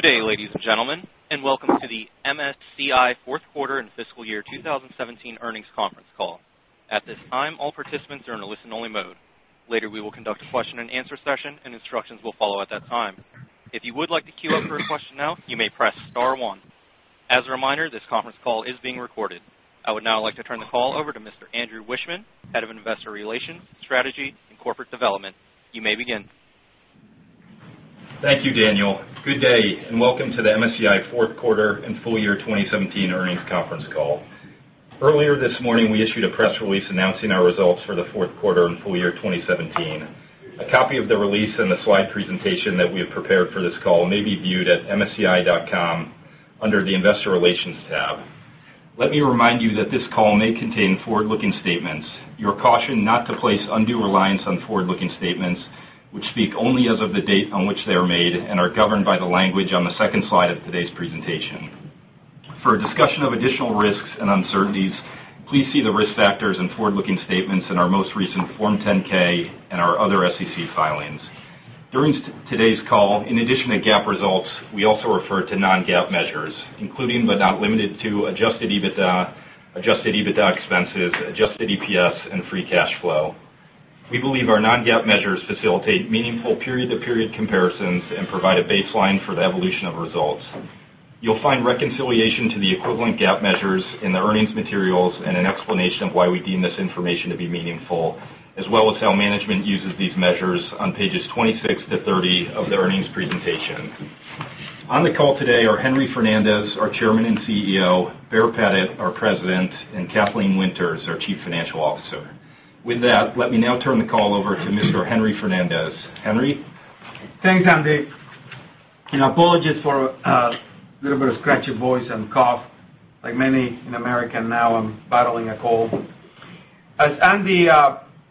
Good day, ladies and gentlemen, welcome to the MSCI Fourth Quarter and Fiscal Year 2017 Earnings Conference Call. At this time, all participants are in listen only mode. Later, we will conduct a question and answer session, and instructions will follow at that time. If you would like to queue up for a question now, you may press star one. As a reminder, this conference call is being recorded. I would now like to turn the call over to Mr. Andrew Wiechmann, Head of Investor Relations, Strategy and Corporate Development. You may begin. Thank you, Daniel. Good day, welcome to the MSCI Fourth Quarter and Full Year 2017 Earnings Conference Call. Earlier this morning, we issued a press release announcing our results for the fourth quarter and full year 2017. A copy of the release and the slide presentation that we have prepared for this call may be viewed at msci.com, under the investor relations tab. Let me remind you that this call may contain forward-looking statements. You are cautioned not to place undue reliance on forward-looking statements, which speak only as of the date on which they are made and are governed by the language on the second slide of today's presentation. For a discussion of additional risks and uncertainties, please see the risk factors and forward-looking statements in our most recent Form 10-K and our other SEC filings. During today's call, in addition to GAAP results, we also refer to non-GAAP measures, including but not limited to adjusted EBITDA, adjusted EBITDA expenses, adjusted EPS, and free cash flow. We believe our non-GAAP measures facilitate meaningful period-to-period comparisons and provide a baseline for the evolution of results. You'll find reconciliation to the equivalent GAAP measures in the earnings materials and an explanation of why we deem this information to be meaningful, as well as how management uses these measures on pages 26 to 30 of the earnings presentation. On the call today are Henry Fernandez, our Chairman and CEO, Baer Pettit, our President, and Kathleen Winters, our Chief Financial Officer. With that, let me now turn the call over to Mr. Henry Fernandez. Henry? Thanks, Andy, apologies for a little bit of scratchy voice and cough. Like many in America now, I'm battling a cold. As Andy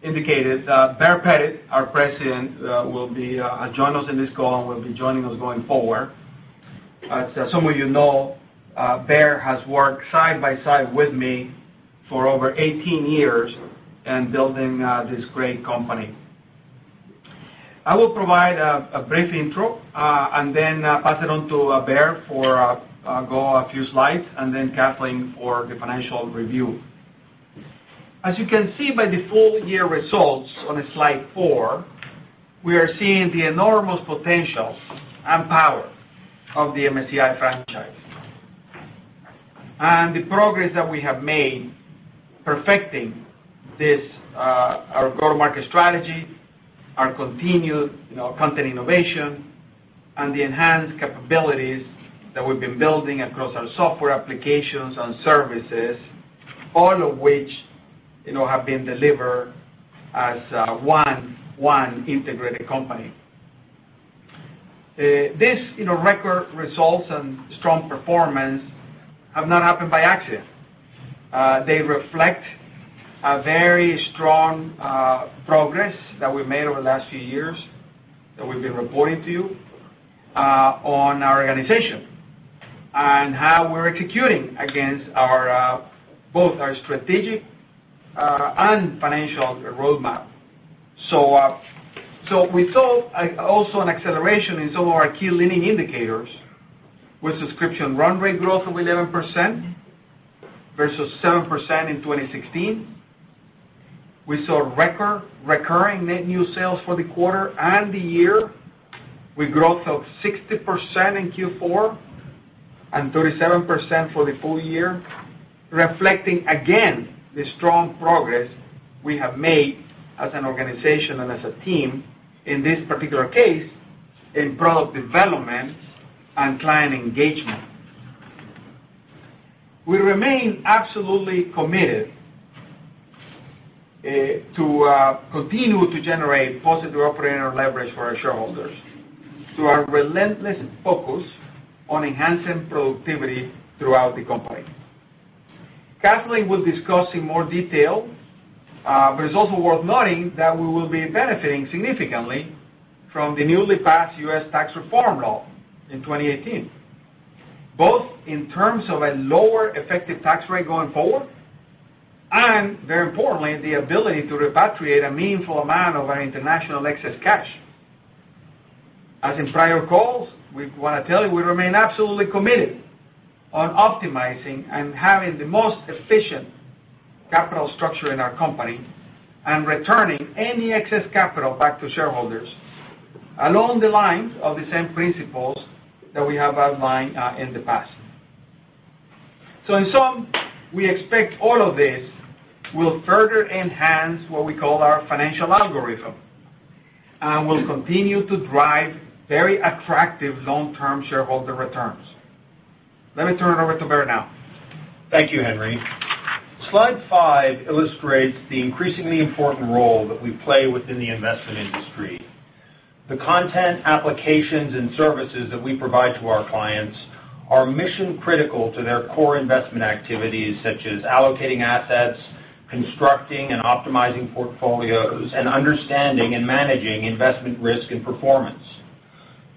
indicated, Baer Pettit, our president, will be joining us in this call and will be joining us going forward. As some of you know, Baer has worked side by side with me for over 18 years in building this great company. I will provide a brief intro, and then pass it on to Baer for go a few slides, and then Kathleen for the financial review. As you can see by the full-year results on slide four, we are seeing the enormous potential and power of the MSCI franchise and the progress that we have made perfecting our growth market strategy, our continued content innovation, and the enhanced capabilities that we've been building across our software applications and services, all of which have been delivered as one integrated company. This record results and strong performance have not happened by accident. They reflect a very strong progress that we've made over the last few years, that we've been reporting to you on our organization, and how we're executing against both our strategic and financial roadmap. We saw also an acceleration in some of our key leading indicators, with subscription run rate growth of 11%, versus 7% in 2016. We saw recurring net new sales for the quarter and the year, with growth of 60% in Q4 and 37% for the full year, reflecting again, the strong progress we have made as an organization and as a team, in this particular case, in product development and client engagement. We remain absolutely committed to continue to generate positive operating leverage for our shareholders through our relentless focus on enhancing productivity throughout the company. Kathleen will discuss in more detail, but it's also worth noting that we will be benefiting significantly from the newly passed U.S. tax reform law in 2018, both in terms of a lower effective tax rate going forward, and very importantly, the ability to repatriate a meaningful amount of our international excess cash. As in prior calls, we want to tell you, we remain absolutely committed on optimizing and having the most efficient capital structure in our company, and returning any excess capital back to shareholders, along the lines of the same principles that we have outlined in the past. In sum, we expect all of this will further enhance what we call our financial algorithm and will continue to drive very attractive long-term shareholder returns. Let me turn it over to Baer now. Thank you, Henry. Slide five illustrates the increasingly important role that we play within the investment industry. The content, applications, and services that we provide to our clients are mission-critical to their core investment activities, such as allocating assets, constructing and optimizing portfolios, and understanding and managing investment risk and performance.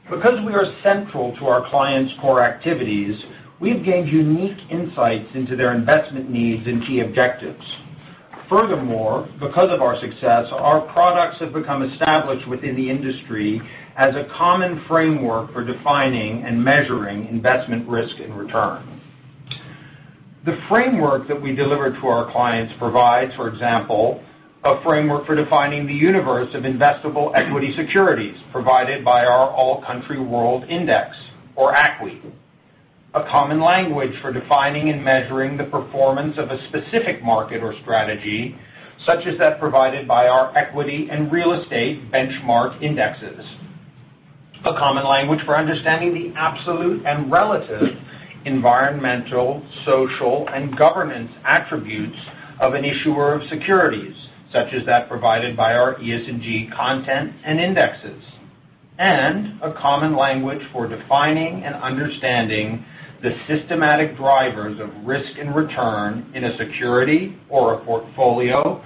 Because we are central to our clients' core activities, we've gained unique insights into their investment needs and key objectives. Furthermore, because of our success, our products have become established within the industry as a common framework for defining and measuring investment risk in return. The framework that we deliver to our clients provides, for example, a framework for defining the universe of investable equity securities provided by our All Country World Index, or ACWI. A common language for defining and measuring the performance of a specific market or strategy, such as that provided by our equity and real estate benchmark indexes. A common language for understanding the absolute and relative environmental, social, and governance attributes of an issuer of securities, such as that provided by our ESG content and indexes. A common language for defining and understanding the systematic drivers of risk and return in a security or a portfolio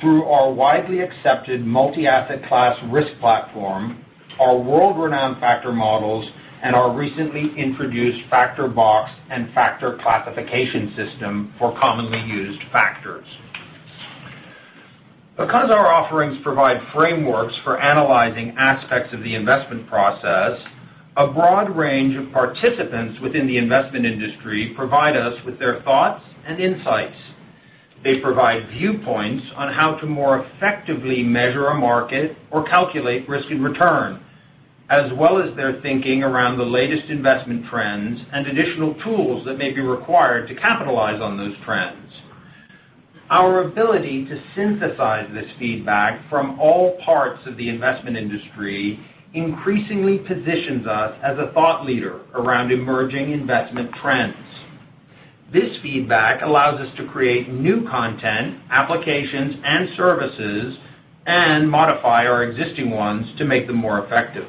through our widely accepted multi-asset class risk platform, our world-renowned factor models, and our recently introduced factor box and factor classification system for commonly used factors. Because our offerings provide frameworks for analyzing aspects of the investment process, a broad range of participants within the investment industry provide us with their thoughts and insights. They provide viewpoints on how to more effectively measure a market or calculate risk and return, as well as their thinking around the latest investment trends and additional tools that may be required to capitalize on those trends. Our ability to synthesize this feedback from all parts of the investment industry increasingly positions us as a thought leader around emerging investment trends. This feedback allows us to create new content, applications, and services, and modify our existing ones to make them more effective.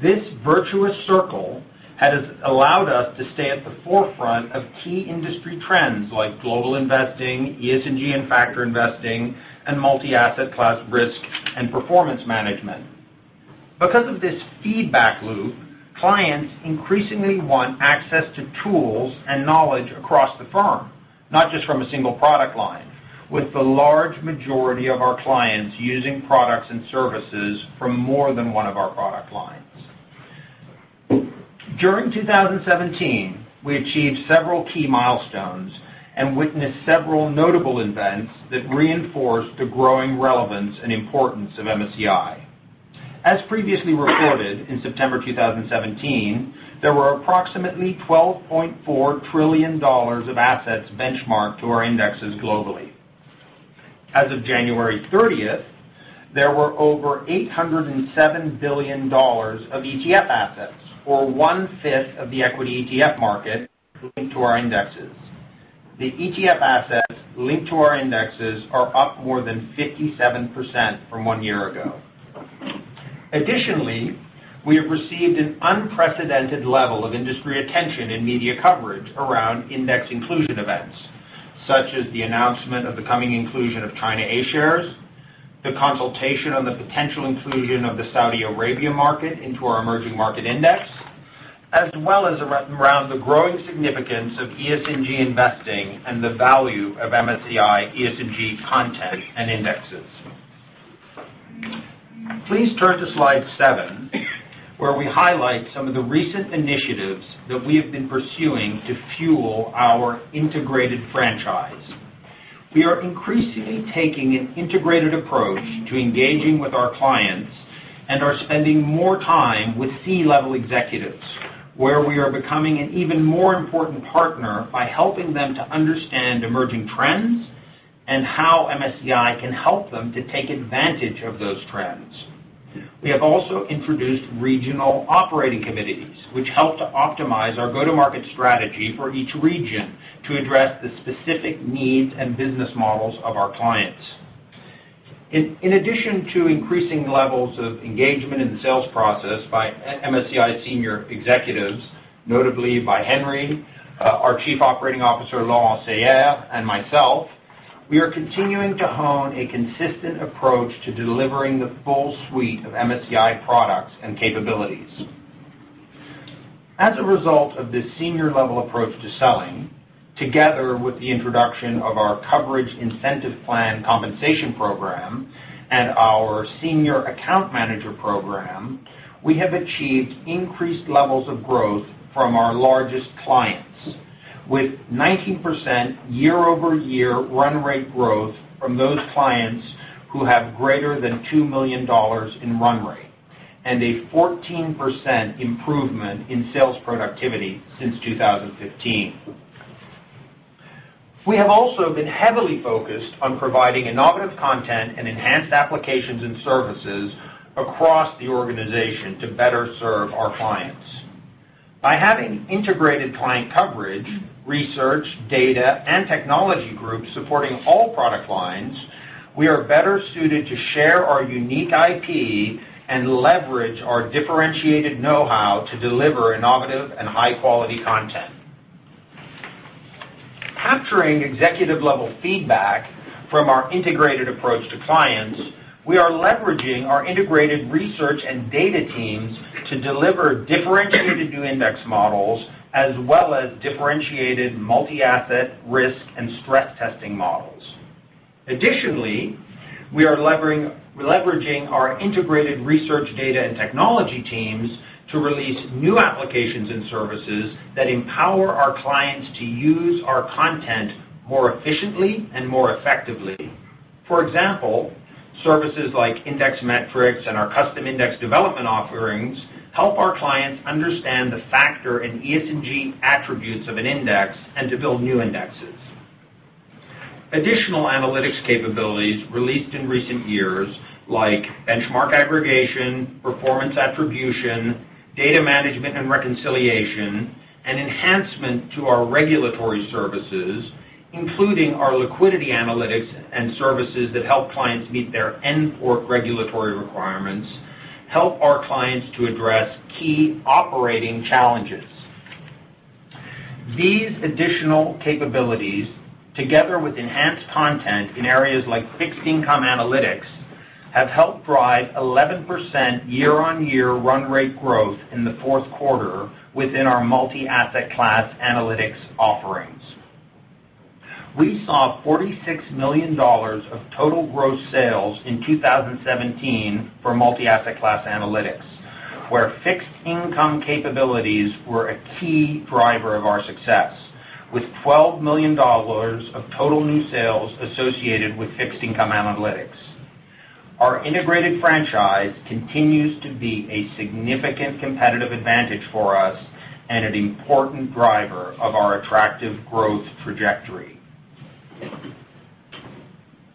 This virtuous circle has allowed us to stay at the forefront of key industry trends like global investing, ESG and factor investing, and multi-asset class risk and performance management. Because of this feedback loop, clients increasingly want access to tools and knowledge across the firm, not just from a single product line, with the large majority of our clients using products and services from more than one of our product lines. During 2017, we achieved several key milestones and witnessed several notable events that reinforced the growing relevance and importance of MSCI. As previously reported, in September 2017, there were approximately $12.4 trillion of assets benchmarked to our indexes globally. As of January 30th, there were over $807 billion of ETF assets, or one-fifth of the equity ETF market, linked to our indexes. The ETF assets linked to our indexes are up more than 57% from one year ago. Additionally, we have received an unprecedented level of industry attention and media coverage around index inclusion events, such as the announcement of the coming inclusion of China A shares, the consultation on the potential inclusion of the Saudi Arabia market into our emerging market index, as well as around the growing significance of ESG investing and the value of MSCI ESG content and indexes. Please turn to slide seven, where we highlight some of the recent initiatives that we have been pursuing to fuel our integrated franchise. We are increasingly taking an integrated approach to engaging with our clients and are spending more time with C-level executives, where we are becoming an even more important partner by helping them to understand emerging trends and how MSCI can help them to take advantage of those trends. We have also introduced regional operating committees, which help to optimize our go-to-market strategy for each region to address the specific needs and business models of our clients. In addition to increasing levels of engagement in the sales process by MSCI senior executives, notably by Henry, our Chief Operating Officer, Laurent Seyer, and myself, we are continuing to hone a consistent approach to delivering the full suite of MSCI products and capabilities. A result of this senior level approach to selling, together with the introduction of our coverage incentive plan compensation program and our senior account manager program, we have achieved increased levels of growth from our largest clients, with 19% year-over-year run rate growth from those clients who have greater than $2 million in run rate, and a 14% improvement in sales productivity since 2015. We have also been heavily focused on providing innovative content and enhanced applications and services across the organization to better serve our clients. By having integrated client coverage, research, data, and technology groups supporting all product lines, we are better suited to share our unique IP and leverage our differentiated know-how to deliver innovative and high-quality content. Capturing executive-level feedback from our integrated approach to clients, we are leveraging our integrated research and data teams to deliver differentiated new index models, as well as differentiated multi-asset risk and stress testing models. Additionally, we are leveraging our integrated research data and technology teams to release new applications and services that empower our clients to use our content more efficiently and more effectively. For example, services like IndexMetrics and our custom index development offerings help our clients understand the factor in ESG attributes of an index and to build new indexes. Additional analytics capabilities released in recent years, like benchmark aggregation, performance attribution, data management and reconciliation, and enhancement to our regulatory services, including our liquidity analytics and services that help clients meet their N-PORT regulatory requirements, help our clients to address key operating challenges. These additional capabilities, together with enhanced content in areas like fixed income analytics, have helped drive 11% year-on-year run rate growth in the fourth quarter within our multi-asset class analytics offerings. We saw $46 million of total gross sales in 2017 for multi-asset class analytics, where fixed income capabilities were a key driver of our success, with $12 million of total new sales associated with fixed income analytics. Our integrated franchise continues to be a significant competitive advantage for us and an important driver of our attractive growth trajectory.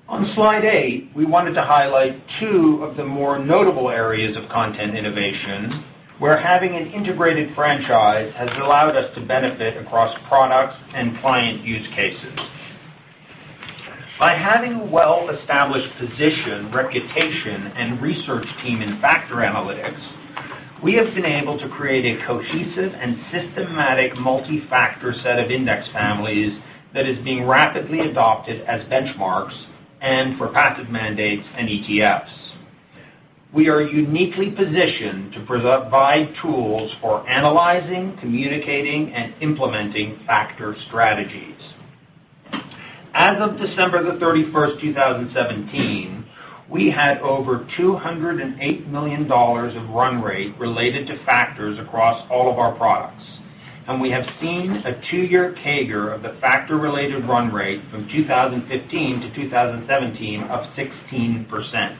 On slide eight, we wanted to highlight two of the more notable areas of content innovation where having an integrated franchise has allowed us to benefit across products and client use cases. By having a well-established position, reputation, and research team in factor analytics, we have been able to create a cohesive and systematic multi-factor set of index families that is being rapidly adopted as benchmarks and for passive mandates and ETFs. We are uniquely positioned to provide tools for analyzing, communicating, and implementing factor strategies. As of December the 31st, 2017, we had over $208 million of run rate related to factors across all of our products, and we have seen a two-year CAGR of the factor-related run rate from 2015 to 2017 of 16%.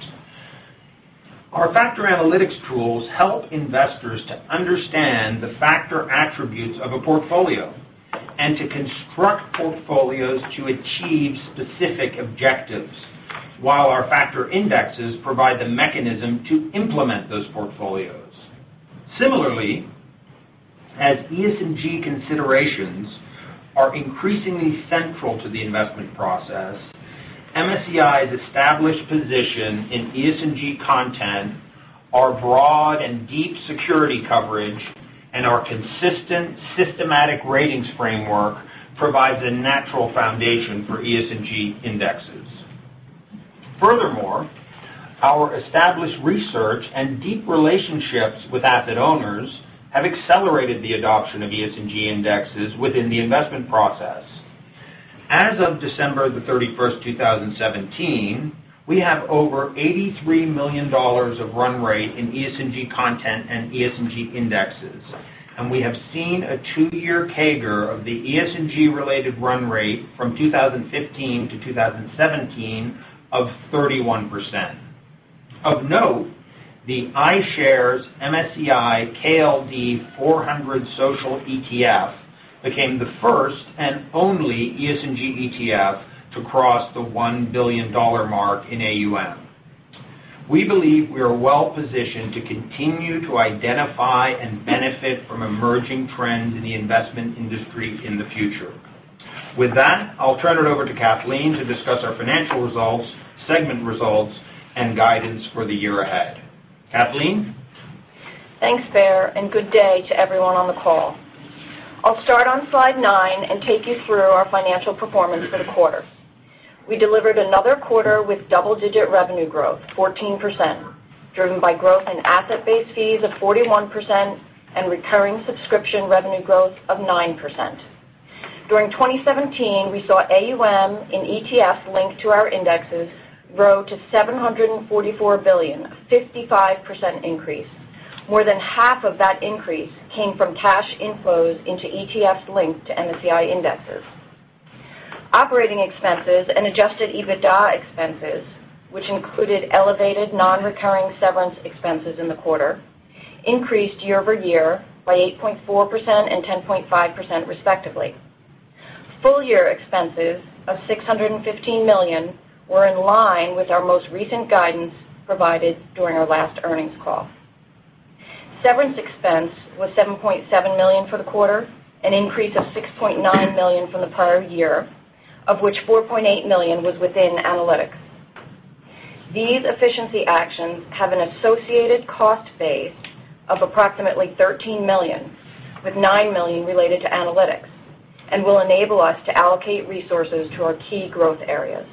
Our factor analytics tools help investors to understand the factor attributes of a portfolio and to construct portfolios to achieve specific objectives, while our factor indexes provide the mechanism to implement those portfolios. As ESG considerations are increasingly central to the investment process, MSCI's established position in ESG content, our broad and deep security coverage, and our consistent systematic ratings framework provides a natural foundation for ESG indexes. Our established research and deep relationships with asset owners have accelerated the adoption of ESG indexes within the investment process. As of December the 31st, 2017, we have over $83 million of run rate in ESG content and ESG indexes, and we have seen a two-year CAGR of the ESG related run rate from 2015 to 2017 of 31%. Of note, the iShares MSCI KLD 400 Social ETF became the first and only ESG ETF to cross the $1 billion mark in AUM. We believe we are well-positioned to continue to identify and benefit from emerging trends in the investment industry in the future. With that, I'll turn it over to Kathleen to discuss our financial results, segment results, and guidance for the year ahead. Kathleen? Thanks, Baer. Good day to everyone on the call. I'll start on slide nine and take you through our financial performance for the quarter. We delivered another quarter with double-digit revenue growth, 14%, driven by growth in asset-based fees of 41% and recurring subscription revenue growth of 9%. During 2017, we saw AUM in ETF linked to our indexes grow to $744 billion, a 55% increase. More than half of that increase came from cash inflows into ETFs linked to MSCI indexes. Operating expenses and adjusted EBITDA expenses, which included elevated non-recurring severance expenses in the quarter, increased year-over-year by 8.4% and 10.5% respectively. Full year expenses of $615 million were in line with our most recent guidance provided during our last earnings call. Severance expense was $7.7 million for the quarter, an increase of $6.9 million from the prior year, of which $4.8 million was within analytics. These efficiency actions have an associated cost base of approximately $13 million, with $9 million related to analytics, and will enable us to allocate resources to our key growth areas.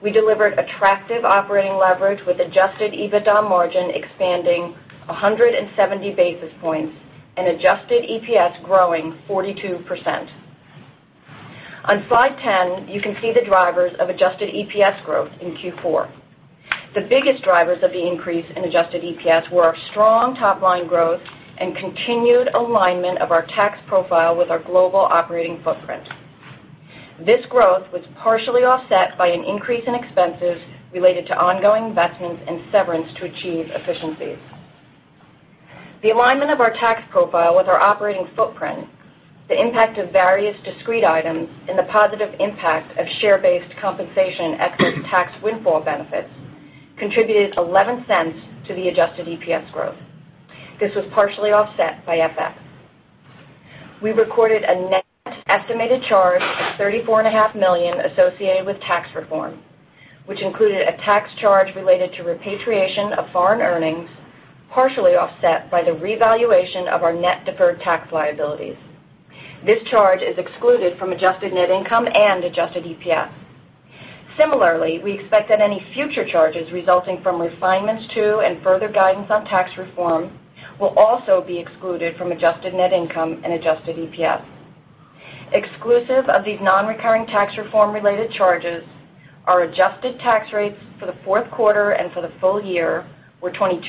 We delivered attractive operating leverage with adjusted EBITDA margin expanding 170 basis points and adjusted EPS growing 42%. On slide 10, you can see the drivers of adjusted EPS growth in Q4. The biggest drivers of the increase in adjusted EPS were our strong top-line growth and continued alignment of our tax profile with our global operating footprint. This growth was partially offset by an increase in expenses related to ongoing investments and severance to achieve efficiencies. The alignment of our tax profile with our operating footprint, the impact of various discrete items, and the positive impact of share-based compensation- excess tax windfall benefits contributed $0.11 to the adjusted EPS growth. This was partially offset by FX. We recorded a net estimated charge of $34.5 million associated with tax reform, which included a tax charge related to repatriation of foreign earnings, partially offset by the revaluation of our net deferred tax liabilities. This charge is excluded from adjusted net income and adjusted EPS. Similarly, we expect that any future charges resulting from refinements to and further guidance on tax reform will also be excluded from adjusted net income and adjusted EPS. Exclusive of these non-recurring tax reform-related charges, our adjusted tax rates for the fourth quarter and for the full year were 22%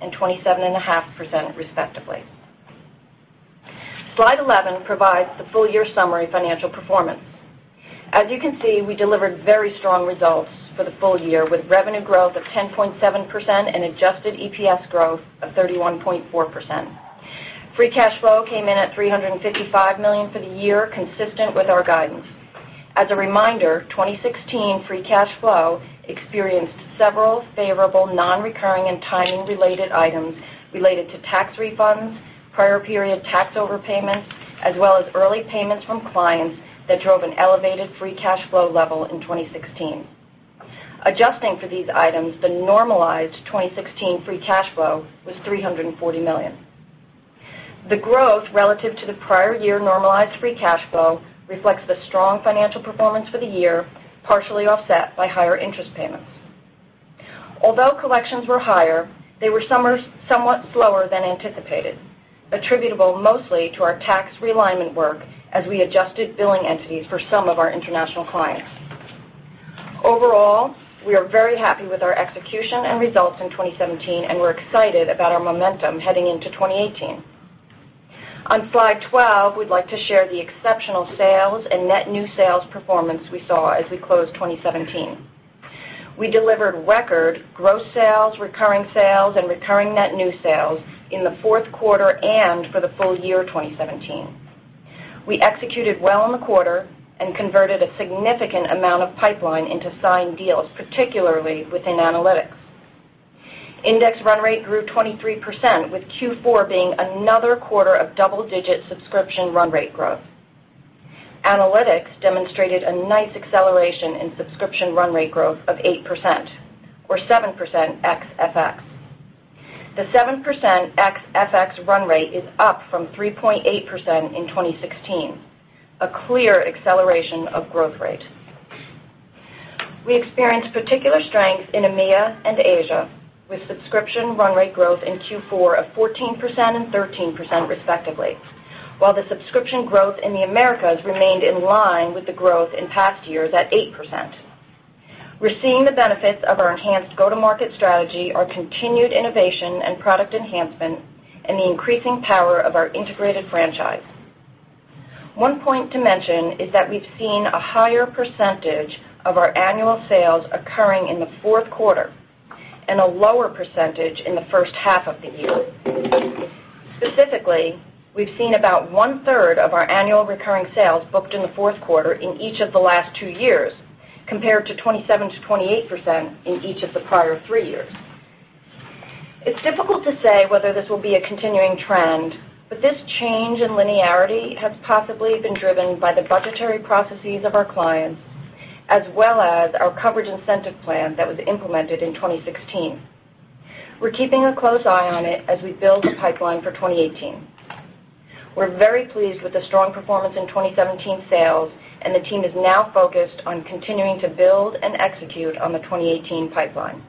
and 27.5%, respectively. Slide 11 provides the full-year summary financial performance. As you can see, we delivered very strong results for the full year, with revenue growth of 10.7% and adjusted EPS growth of 31.4%. Free cash flow came in at $355 million for the year, consistent with our guidance. As a reminder, 2016 free cash flow experienced several favorable non-recurring and timing-related items related to tax refunds, prior period tax overpayments, as well as early payments from clients that drove an elevated free cash flow level in 2016. Adjusting for these items, the normalized 2016 free cash flow was $340 million. The growth relative to the prior year normalized free cash flow reflects the strong financial performance for the year, partially offset by higher interest payments. Although collections were higher, they were somewhat slower than anticipated, attributable mostly to our tax realignment work as we adjusted billing entities for some of our international clients. Overall, we are very happy with our execution and results in 2017, and we're excited about our momentum heading into 2018. On slide 12, we'd like to share the exceptional sales and net new sales performance we saw as we closed 2017. We delivered record gross sales, recurring sales, and recurring net new sales in the fourth quarter and for the full year 2017. We executed well in the quarter and converted a significant amount of pipeline into signed deals, particularly within analytics. Index run rate grew 23%, with Q4 being another quarter of double-digit subscription run rate growth. Analytics demonstrated a nice acceleration in subscription run rate growth of 8%, or 7% ex FX. The 7% ex FX run rate is up from 3.8% in 2016, a clear acceleration of growth rate. We experienced particular strength in EMEA and Asia, with subscription run rate growth in Q4 of 14% and 13%, respectively. While the subscription growth in the Americas remained in line with the growth in past years at 8%. We're seeing the benefits of our enhanced go-to-market strategy, our continued innovation and product enhancement, and the increasing power of our integrated franchise. One point to mention is that we've seen a higher percentage of our annual sales occurring in the fourth quarter and a lower percentage in the first half of the year. Specifically, we've seen about one-third of our annual recurring sales booked in the fourth quarter in each of the last two years, compared to 27%-28% in each of the prior three years. It's difficult to say whether this will be a continuing trend, this change in linearity has possibly been driven by the budgetary processes of our clients as well as our coverage incentive plan that was implemented in 2016. We're keeping a close eye on it as we build the pipeline for 2018. We're very pleased with the strong performance in 2017 sales, and the team is now focused on continuing to build and execute on the 2018 pipeline.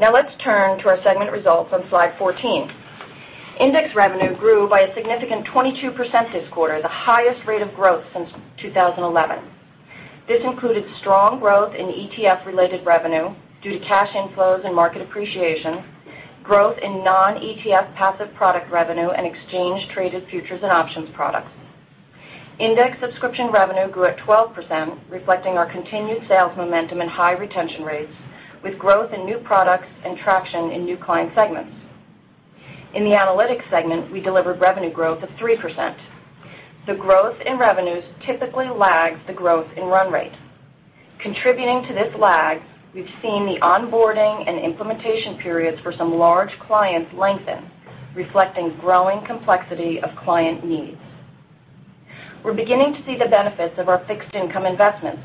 Let's turn to our segment results on slide 14. Index revenue grew by a significant 22% this quarter, the highest rate of growth since 2011. This included strong growth in ETF-related revenue due to cash inflows and market appreciation, growth in non-ETF passive product revenue, and exchange-traded futures and options products. Index subscription revenue grew at 12%, reflecting our continued sales momentum and high retention rates, with growth in new products and traction in new client segments. In the analytics segment, we delivered revenue growth of 3%. The growth in revenues typically lags the growth in run rate. Contributing to this lag, we've seen the onboarding and implementation periods for some large clients lengthen, reflecting growing complexity of client needs. We're beginning to see the benefits of our fixed income investments,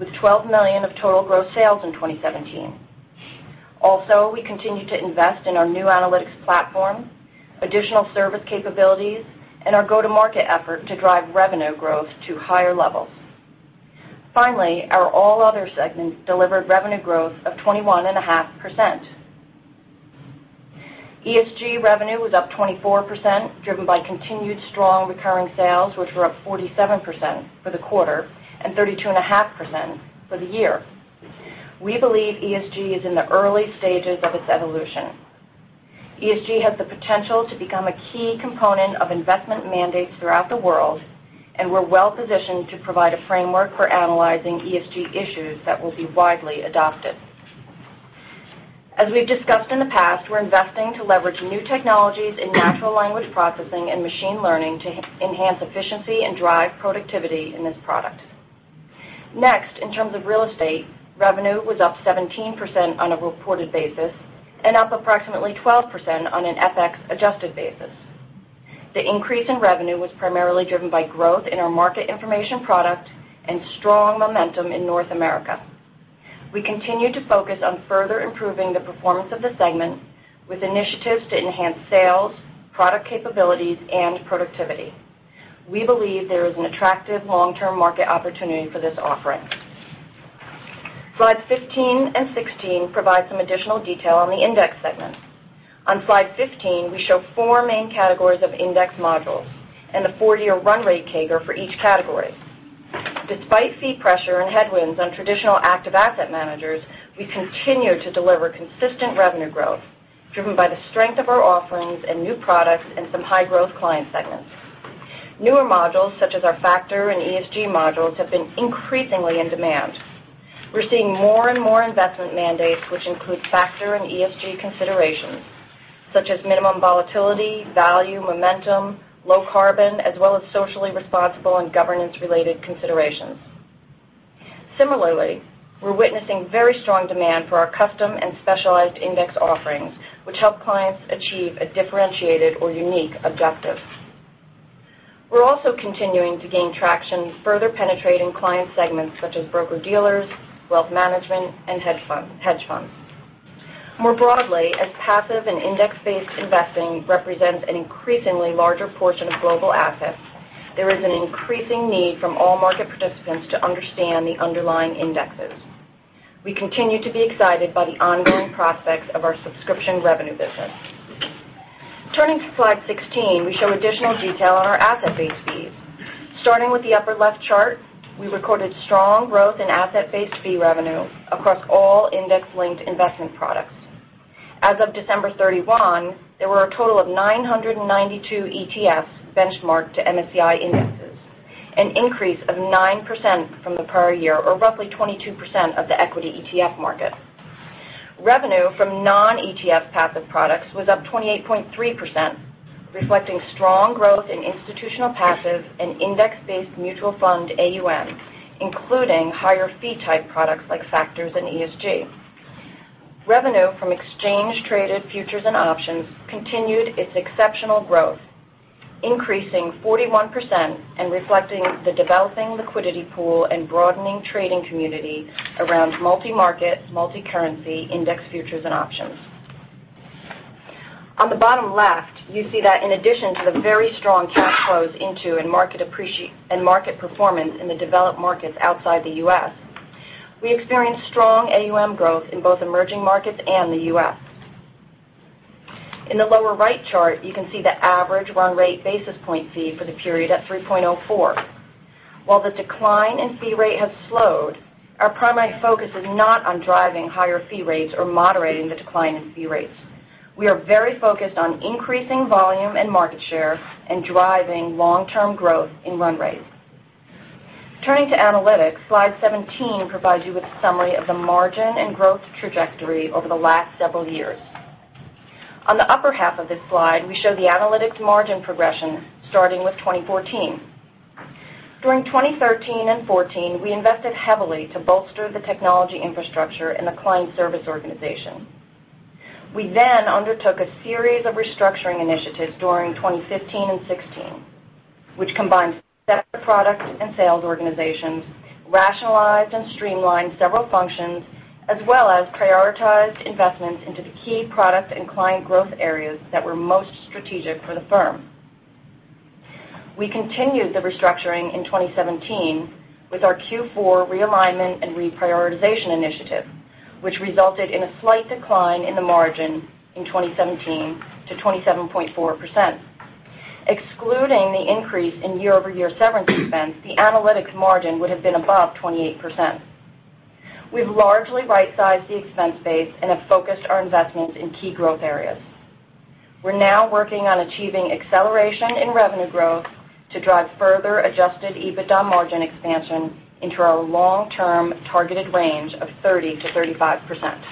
with $12 million of total gross sales in 2017. We continue to invest in our new analytics platform, additional service capabilities, and our go-to-market effort to drive revenue growth to higher levels. Our all other segments delivered revenue growth of 21.5%. ESG revenue was up 24%, driven by continued strong recurring sales, which were up 47% for the quarter and 32.5% for the year. We believe ESG is in the early stages of its evolution. ESG has the potential to become a key component of investment mandates throughout the world, and we're well-positioned to provide a framework for analyzing ESG issues that will be widely adopted. As we've discussed in the past, we're investing to leverage new technologies in natural language processing and machine learning to enhance efficiency and drive productivity in this product. In terms of real estate, revenue was up 17% on a reported basis and up approximately 12% on an FX adjusted basis. The increase in revenue was primarily driven by growth in our market information product and strong momentum in North America. We continue to focus on further improving the performance of the segment with initiatives to enhance sales, product capabilities, and productivity. We believe there is an attractive long-term market opportunity for this offering. Slides 15 and 16 provide some additional detail on the index segment. On slide 15, we show four main categories of index modules and the four-year run rate CAGR for each category. Despite fee pressure and headwinds on traditional active asset managers, we continue to deliver consistent revenue growth, driven by the strength of our offerings and new products in some high-growth client segments. Newer modules, such as our factor and ESG modules, have been increasingly in demand. We're seeing more and more investment mandates, which include factor and ESG considerations, such as minimum volatility, value, momentum, low carbon, as well as socially responsible and governance-related considerations. Similarly, we're witnessing very strong demand for our custom and specialized index offerings, which help clients achieve a differentiated or unique objective. We're also continuing to gain traction, further penetrating client segments such as broker-dealers, wealth management, and hedge funds. More broadly, as passive and index-based investing represents an increasingly larger portion of global assets, there is an increasing need from all market participants to understand the underlying indexes. We continue to be excited by the ongoing prospects of our subscription revenue business. Turning to slide 16, we show additional detail on our asset-based fees. Starting with the upper left chart, we recorded strong growth in asset-based fee revenue across all index-linked investment products. As of December 31, there were a total of 992 ETFs benchmarked to MSCI indexes, an increase of 9% from the prior year, or roughly 22% of the equity ETF market. Revenue from non-ETF passive products was up 28.3%, reflecting strong growth in institutional passive and index-based mutual fund AUM, including higher fee type products like factors in ESG. Revenue from exchange traded futures and options continued its exceptional growth, increasing 41% and reflecting the developing liquidity pool and broadening trading community around multi-market, multi-currency index futures and options. On the bottom left, you see that in addition to the very strong cash flows into and market performance in the developed markets outside the U.S., we experienced strong AUM growth in both emerging markets and the U.S. In the lower right chart, you can see the average run rate basis point fee for the period at 3.04. While the decline in fee rate has slowed, our primary focus is not on driving higher fee rates or moderating the decline in fee rates. We are very focused on increasing volume and market share and driving long-term growth in run rate. Turning to analytics, slide 17 provides you with a summary of the margin and growth trajectory over the last several years. On the upper half of this slide, we show the analytics margin progression starting with 2014. During 2013 and 2014, we invested heavily to bolster the technology infrastructure in the client service organization. We undertook a series of restructuring initiatives during 2015 and 2016, which combined separate product and sales organizations, rationalized and streamlined several functions, as well as prioritized investments into the key product and client growth areas that were most strategic for the firm. We continued the restructuring in 2017 with our Q4 realignment and reprioritization initiative, which resulted in a slight decline in the margin in 2017 to 27.4%. Excluding the increase in year-over-year severance expense, the analytics margin would have been above 28%. We've largely right-sized the expense base and have focused our investments in key growth areas. We're now working on achieving acceleration in revenue growth to drive further adjusted EBITDA margin expansion into our long-term targeted range of 30%-35%.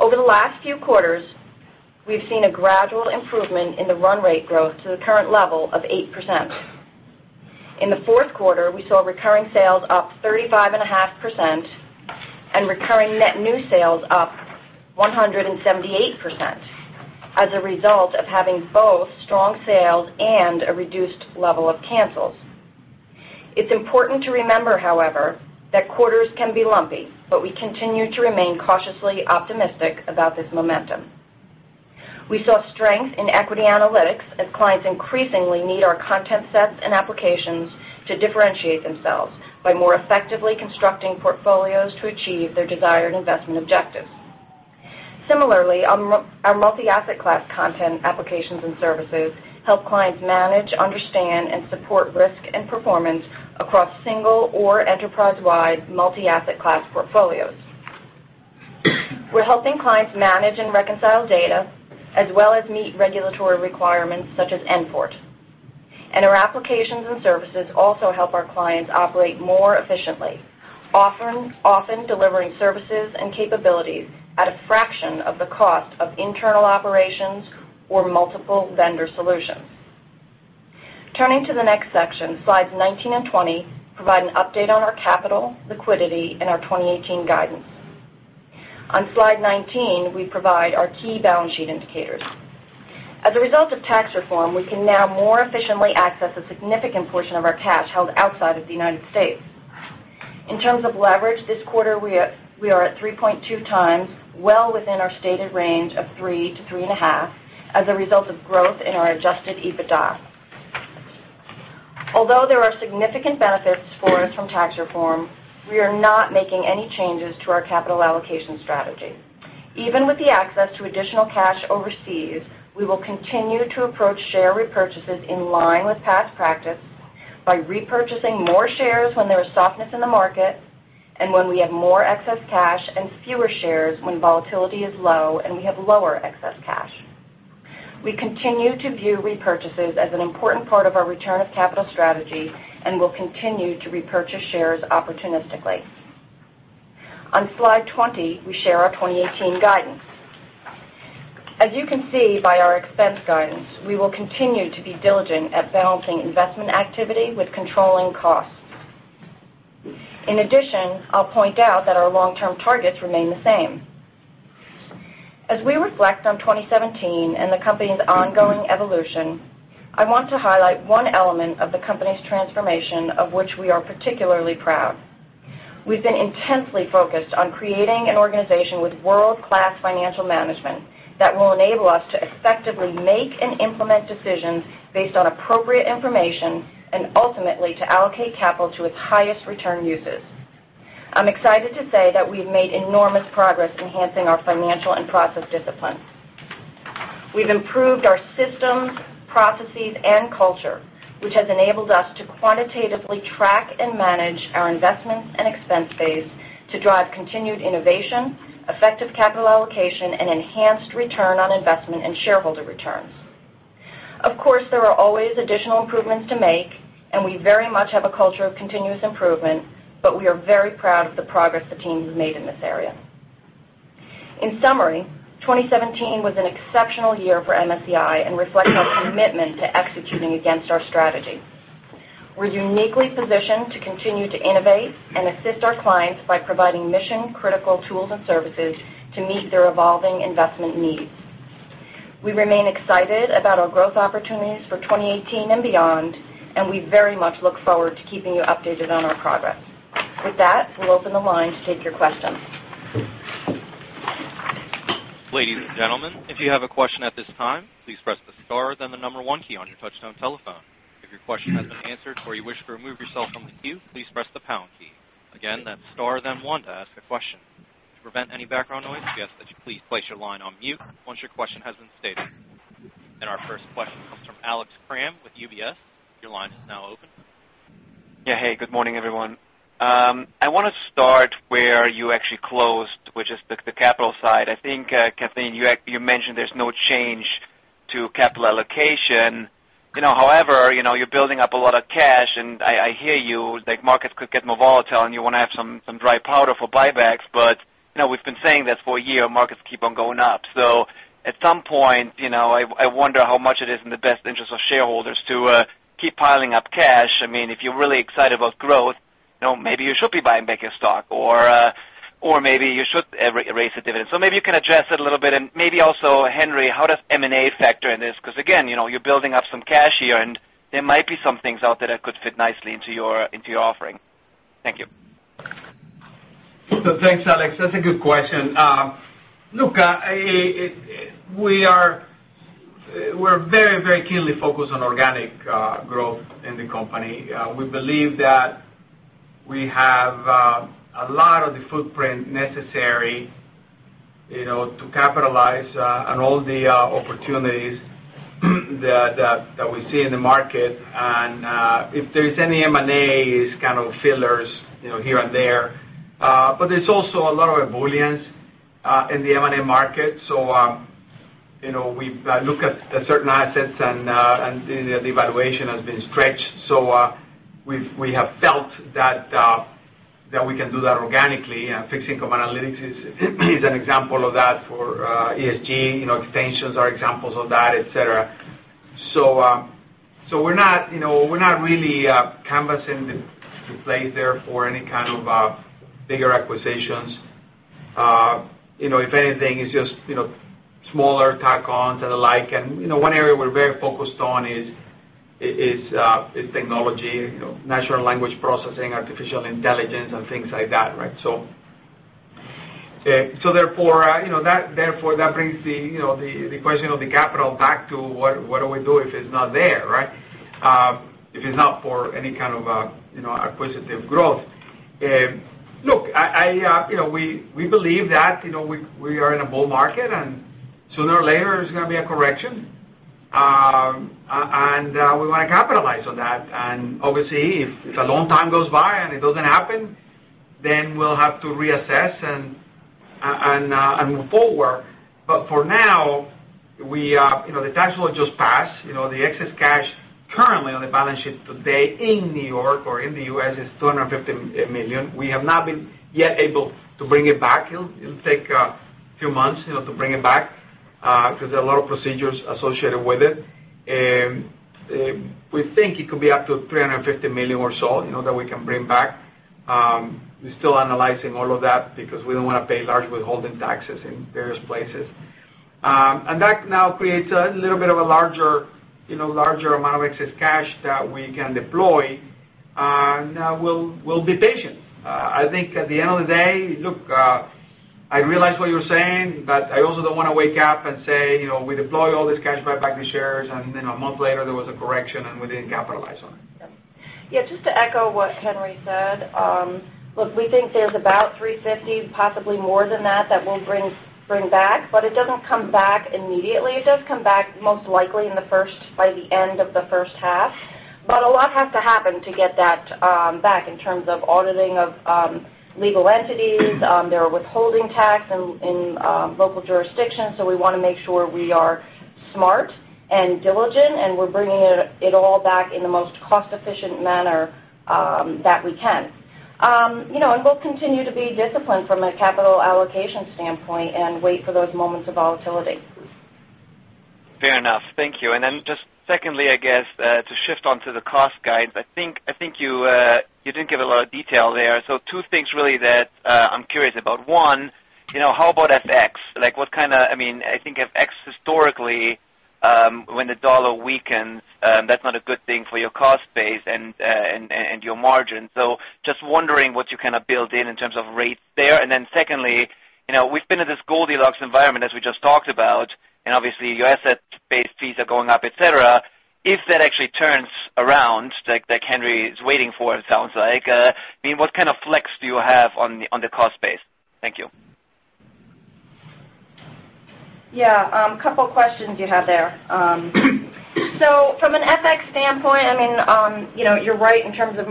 Over the last few quarters, we've seen a gradual improvement in the run rate growth to the current level of 8%. In the fourth quarter, we saw recurring sales up 35.5%. Recurring net new sales up 178% as a result of having both strong sales and a reduced level of cancels. It's important to remember, however, that quarters can be lumpy, but we continue to remain cautiously optimistic about this momentum. We saw strength in equity analytics as clients increasingly need our content sets and applications to differentiate themselves by more effectively constructing portfolios to achieve their desired investment objectives. Similarly, our multi-asset class content applications and services help clients manage, understand, and support risk and performance across single or enterprise-wide multi-asset class portfolios. We're helping clients manage and reconcile data as well as meet regulatory requirements such as N-PORT. Our applications and services also help our clients operate more efficiently, often delivering services and capabilities at a fraction of the cost of internal operations or multiple vendor solutions. Turning to the next section, slides 19 and 20 provide an update on our capital, liquidity, and our 2018 guidance. On slide 19, we provide our key balance sheet indicators. As a result of tax reform, we can now more efficiently access a significant portion of our cash held outside of the United States. In terms of leverage, this quarter, we are at 3.2 times, well within our stated range of three to three and a half as a result of growth in our adjusted EBITDA. Although there are significant benefits for us from tax reform, we are not making any changes to our capital allocation strategy. Even with the access to additional cash overseas, we will continue to approach share repurchases in line with past practice by repurchasing more shares when there is softness in the market and when we have more excess cash and fewer shares when volatility is low, and we have lower excess cash. We continue to view repurchases as an important part of our return of capital strategy, and will continue to repurchase shares opportunistically. On slide 20, we share our 2018 guidance. As you can see by our expense guidance, we will continue to be diligent at balancing investment activity with controlling costs. In addition, I'll point out that our long-term targets remain the same. As we reflect on 2017 and the company's ongoing evolution, I want to highlight one element of the company's transformation of which we are particularly proud. We've been intensely focused on creating an organization with world-class financial management that will enable us to effectively make and implement decisions based on appropriate information, and ultimately, to allocate capital to its highest return uses. I'm excited to say that we've made enormous progress enhancing our financial and process disciplines. We've improved our systems, processes, and culture, which has enabled us to quantitatively track and manage our investments and expense base to drive continued innovation, effective capital allocation, and enhanced return on investment and shareholder returns. Of course, there are always additional improvements to make, and we very much have a culture of continuous improvement, but we are very proud of the progress the team has made in this area. In summary, 2017 was an exceptional year for MSCI and reflects our commitment to executing against our strategy. We're uniquely positioned to continue to innovate and assist our clients by providing mission-critical tools and services to meet their evolving investment needs. We remain excited about our growth opportunities for 2018 and beyond, and we very much look forward to keeping you updated on our progress. With that, we'll open the line to take your questions. Ladies and gentlemen, if you have a question at this time, please press the star then the number one key on your touchtone telephone. If your question has been answered or you wish to remove yourself from the queue, please press the pound key. Again, that's star then one to ask a question. To prevent any background noise, we ask that you please place your line on mute once your question has been stated. Our first question comes from Alex Kramm with UBS. Your line is now open. Yeah. Hey, good morning, everyone. I want to start where you actually closed, which is the capital side. I think, Kathleen, you mentioned there's no change to capital allocation. However, you're building up a lot of cash, and I hear you, like markets could get more volatile, and you want to have some dry powder for buybacks. We've been saying that for a year, markets keep on going up. At some point, I wonder how much it is in the best interest of shareholders to keep piling up cash. If you're really excited about growth, maybe you should be buying back your stock or maybe you should raise the dividend. Maybe you can address it a little bit, and maybe also, Henry, how does M&A factor in this? Again, you're building up some cash here, and there might be some things out there that could fit nicely into your offering. Thank you. Thanks, Alex. That's a good question. Look, we're very keenly focused on organic growth in the company. We believe that we have a lot of the footprint necessary to capitalize on all the opportunities that we see in the market, and if there's any M&As, kind of fillers here and there. There's also a lot of ebullience in the M&A market. We look at certain assets and the valuation has been stretched. We have felt that we can do that organically. Fixed income analytics is an example of that for ESG. Extensions are examples of that, et cetera. We're not really canvassing the place there for any kind of bigger acquisitions. If anything, it's just smaller tack-ons and the like. One area we're very focused on is technology, natural language processing, artificial intelligence, and things like that. That brings the question of the capital back to what do we do if it's not there? If it's not for any kind of acquisitive growth. Look, we believe that we are in a bull market, and sooner or later, there's going to be a correction. We want to capitalize on that. Obviously, if a long time goes by and it doesn't happen, then we'll have to reassess and move forward. For now, the tax law just passed. The excess cash currently on the balance sheet today in New York or in the U.S. is $250 million. We have not been yet able to bring it back. It'll take a few months to bring it back because there are a lot of procedures associated with it. We think it could be up to $350 million or so that we can bring back. We're still analyzing all of that because we don't want to pay large withholding taxes in various places. That now creates a little bit of a larger amount of excess cash that we can deploy, and we'll be patient. I think at the end of the day, look, I realize what you're saying, but I also don't want to wake up and say, "We deployed all this cash buy back the shares," and then a month later there was a correction, and we didn't capitalize on it. Yeah. Just to echo what Henry said. Look, we think there's about $350 million, possibly more than that we'll bring back. It doesn't come back immediately. It does come back most likely by the end of the first half. A lot has to happen to get that back in terms of auditing of legal entities. There are withholding taxes in local jurisdictions, we want to make sure we are smart and diligent, and we're bringing it all back in the most cost-efficient manner that we can. We'll continue to be disciplined from a capital allocation standpoint and wait for those moments of volatility. Fair enough. Thank you. Just secondly, I guess, to shift onto the cost guide, I think you didn't give a lot of detail there. Two things really that I'm curious about. One, how about FX? I think FX historically when the dollar weakens, that's not a good thing for your cost base and your margin. Just wondering what you build in terms of rates there. Secondly, we've been in this Goldilocks environment, as we just talked about, and obviously your asset base fees are going up, et cetera. If that actually turns around like Henry is waiting for, it sounds like, what kind of flex do you have on the cost base? Thank you. Yeah. A couple of questions you have there. From an FX standpoint, you're right in terms of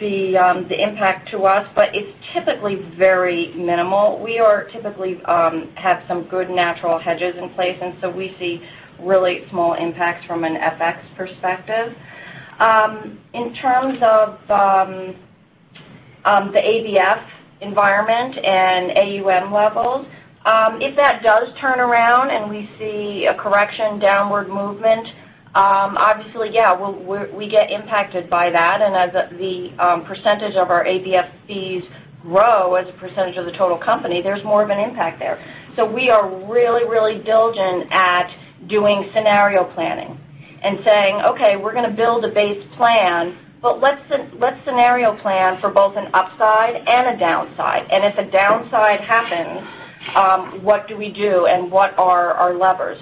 the impact to us, but it's typically very minimal. We typically have some good natural hedges in place, we see really small impacts from an FX perspective. In terms of the ABF environment and AUM levels, if that does turn around and we see a correction downward movement, obviously, yeah, we get impacted by that. As the percentage of our ABF fees grow as a percentage of the total company, there's more of an impact there. We are really, really diligent at doing scenario planning and saying, "Okay, we're going to build a base plan, but let's scenario plan for both an upside and a downside. If a downside happens, what do we do and what are our levers?"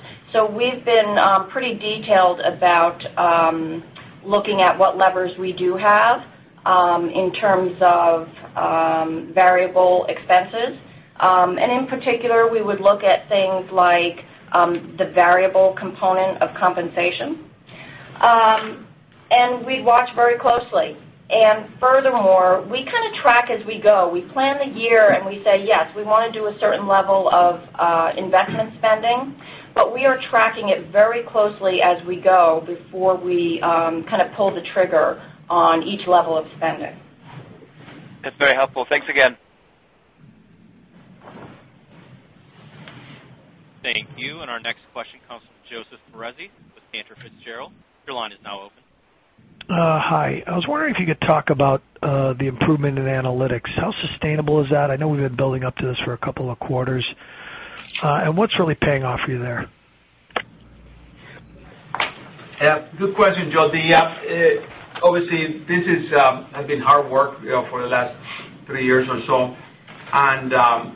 We've been pretty detailed about looking at what levers we do have in terms of variable expenses. In particular, we would look at things like the variable component of compensation. We watch very closely. Furthermore, we kind of track as we go. We plan the year, and we say, "Yes, we want to do a certain level of investment spending," but we are tracking it very closely as we go before we pull the trigger on each level of spending. That's very helpful. Thanks again. Thank you. Our next question comes from Joseph Foresi with Cantor Fitzgerald. Your line is now open. Hi. I was wondering if you could talk about the improvement in analytics. How sustainable is that? I know we've been building up to this for a couple of quarters. What's really paying off for you there? Yeah. Good question, Joe. Obviously, this has been hard work for the last three years or so. I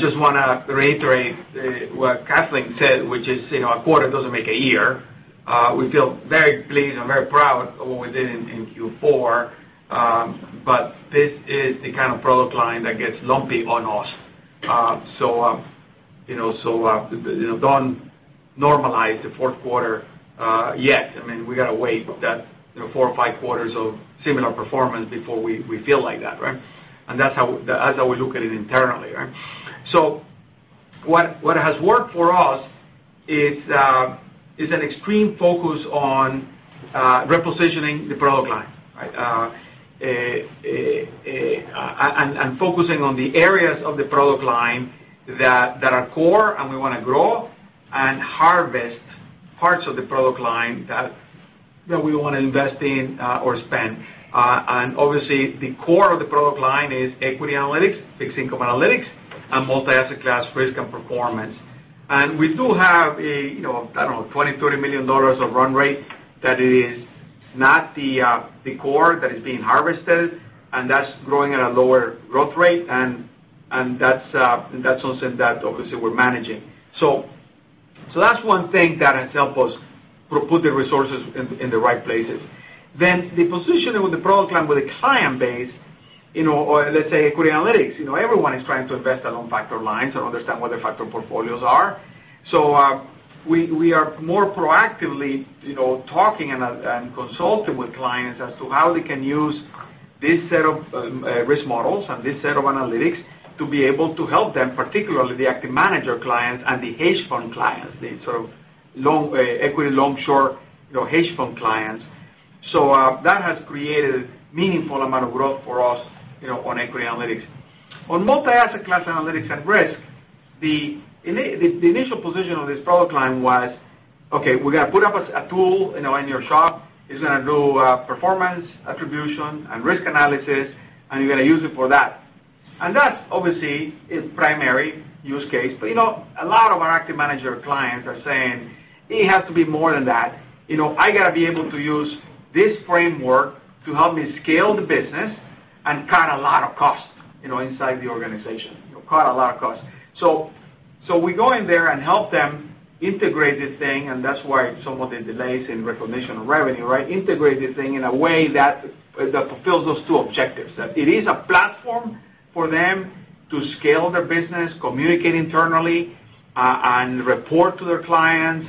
just want to reiterate what Kathleen said, which is, a quarter doesn't make a year. We feel very pleased and very proud of what we did in Q4. This is the kind of product line that gets lumpy on us. Don't normalize the fourth quarter yet. We got to wait that four or five quarters of similar performance before we feel like that. That's how we look at it internally. What has worked for us is an extreme focus on repositioning the product line. Focusing on the areas of the product line that are core and we want to grow, and harvest parts of the product line that we want to invest in or spend. Obviously, the core of the product line is equity analytics, fixed income analytics, and multi-asset class risk and performance. We do have, I don't know, $20 million, $30 million of run rate that it is not the core that is being harvested, and that's growing at a lower growth rate, and that's something that obviously we're managing. That's one thing that has helped us put the resources in the right places. The positioning with the product line with a client base, or let's say equity analytics, everyone is trying to invest along factor lines or understand what their factor portfolios are. We are more proactively talking and consulting with clients as to how they can use this set of risk models and this set of analytics to be able to help them, particularly the active manager clients and the hedge fund clients, the sort of equity long-short hedge fund clients. That has created a meaningful amount of growth for us on equity analytics. On multi-asset class analytics and risk, the initial position of this product line was, okay, we're going to put up a tool in your shop. It's going to do performance attribution and risk analysis, and you're going to use it for that. That's obviously its primary use case, but a lot of our active manager clients are saying, "It has to be more than that. I got to be able to use this framework to help me scale the business and cut a lot of costs inside the organization." Cut a lot of costs. We go in there and help them integrate this thing, and that's why some of the delays in recognition of revenue. Integrate this thing in a way that fulfills those two objectives. That it is a platform for them to scale their business, communicate internally, and report to their clients,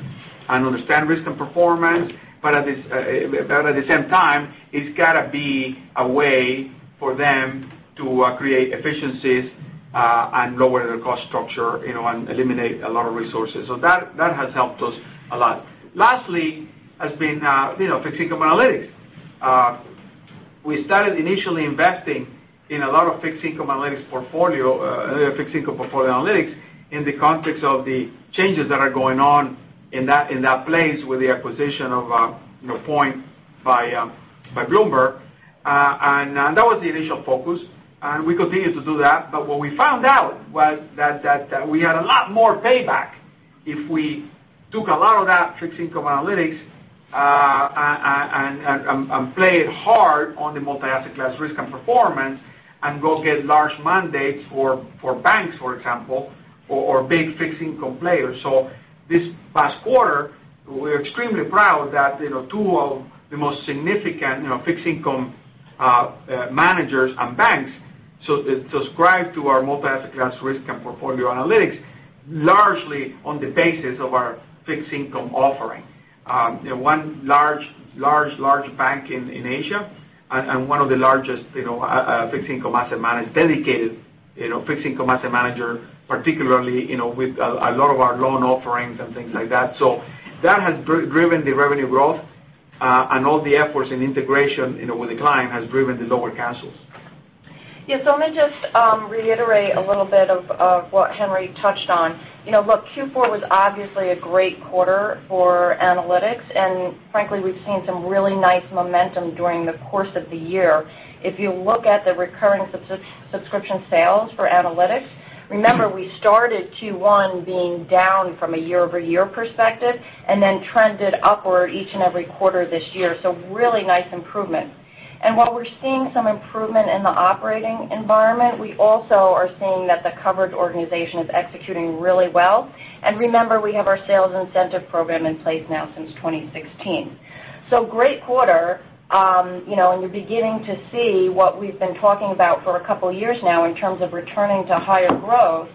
and understand risk and performance. At the same time, it's got to be a way for them to create efficiencies, and lower their cost structure, and eliminate a lot of resources. That has helped us a lot. Lastly, has been fixed income analytics. We started initially investing in a lot of fixed income portfolio analytics in the context of the changes that are going on in that place with the acquisition of POINT by Bloomberg. That was the initial focus, and we continued to do that. What we found out was that we had a lot more payback if we took a lot of that fixed income analytics, and played hard on the multi-asset class risk and performance and go get large mandates for banks, for example, or big fixed income players. This past quarter, we're extremely proud that two of the most significant fixed income managers and banks subscribed to our multi-asset class risk and portfolio analytics, largely on the basis of our fixed income offering. One large bank in Asia and one of the largest fixed income asset managed, dedicated fixed income asset manager, particularly with a lot of our loan offerings and things like that. That has driven the revenue growth, and all the efforts in integration with the client has driven the lower cancels. Yes, let me just reiterate a little bit of what Henry touched on. Look, Q4 was obviously a great quarter for analytics, and frankly, we've seen some really nice momentum during the course of the year. If you look at the recurring subscription sales for analytics, remember, we started Q1 being down from a year-over-year perspective, and then trended upward each and every quarter this year. Really nice improvement. While we're seeing some improvement in the operating environment, we also are seeing that the coverage organization is executing really well. Remember, we have our sales incentive program in place now since 2016. Great quarter, and you're beginning to see what we've been talking about for a couple of years now in terms of returning to higher growth.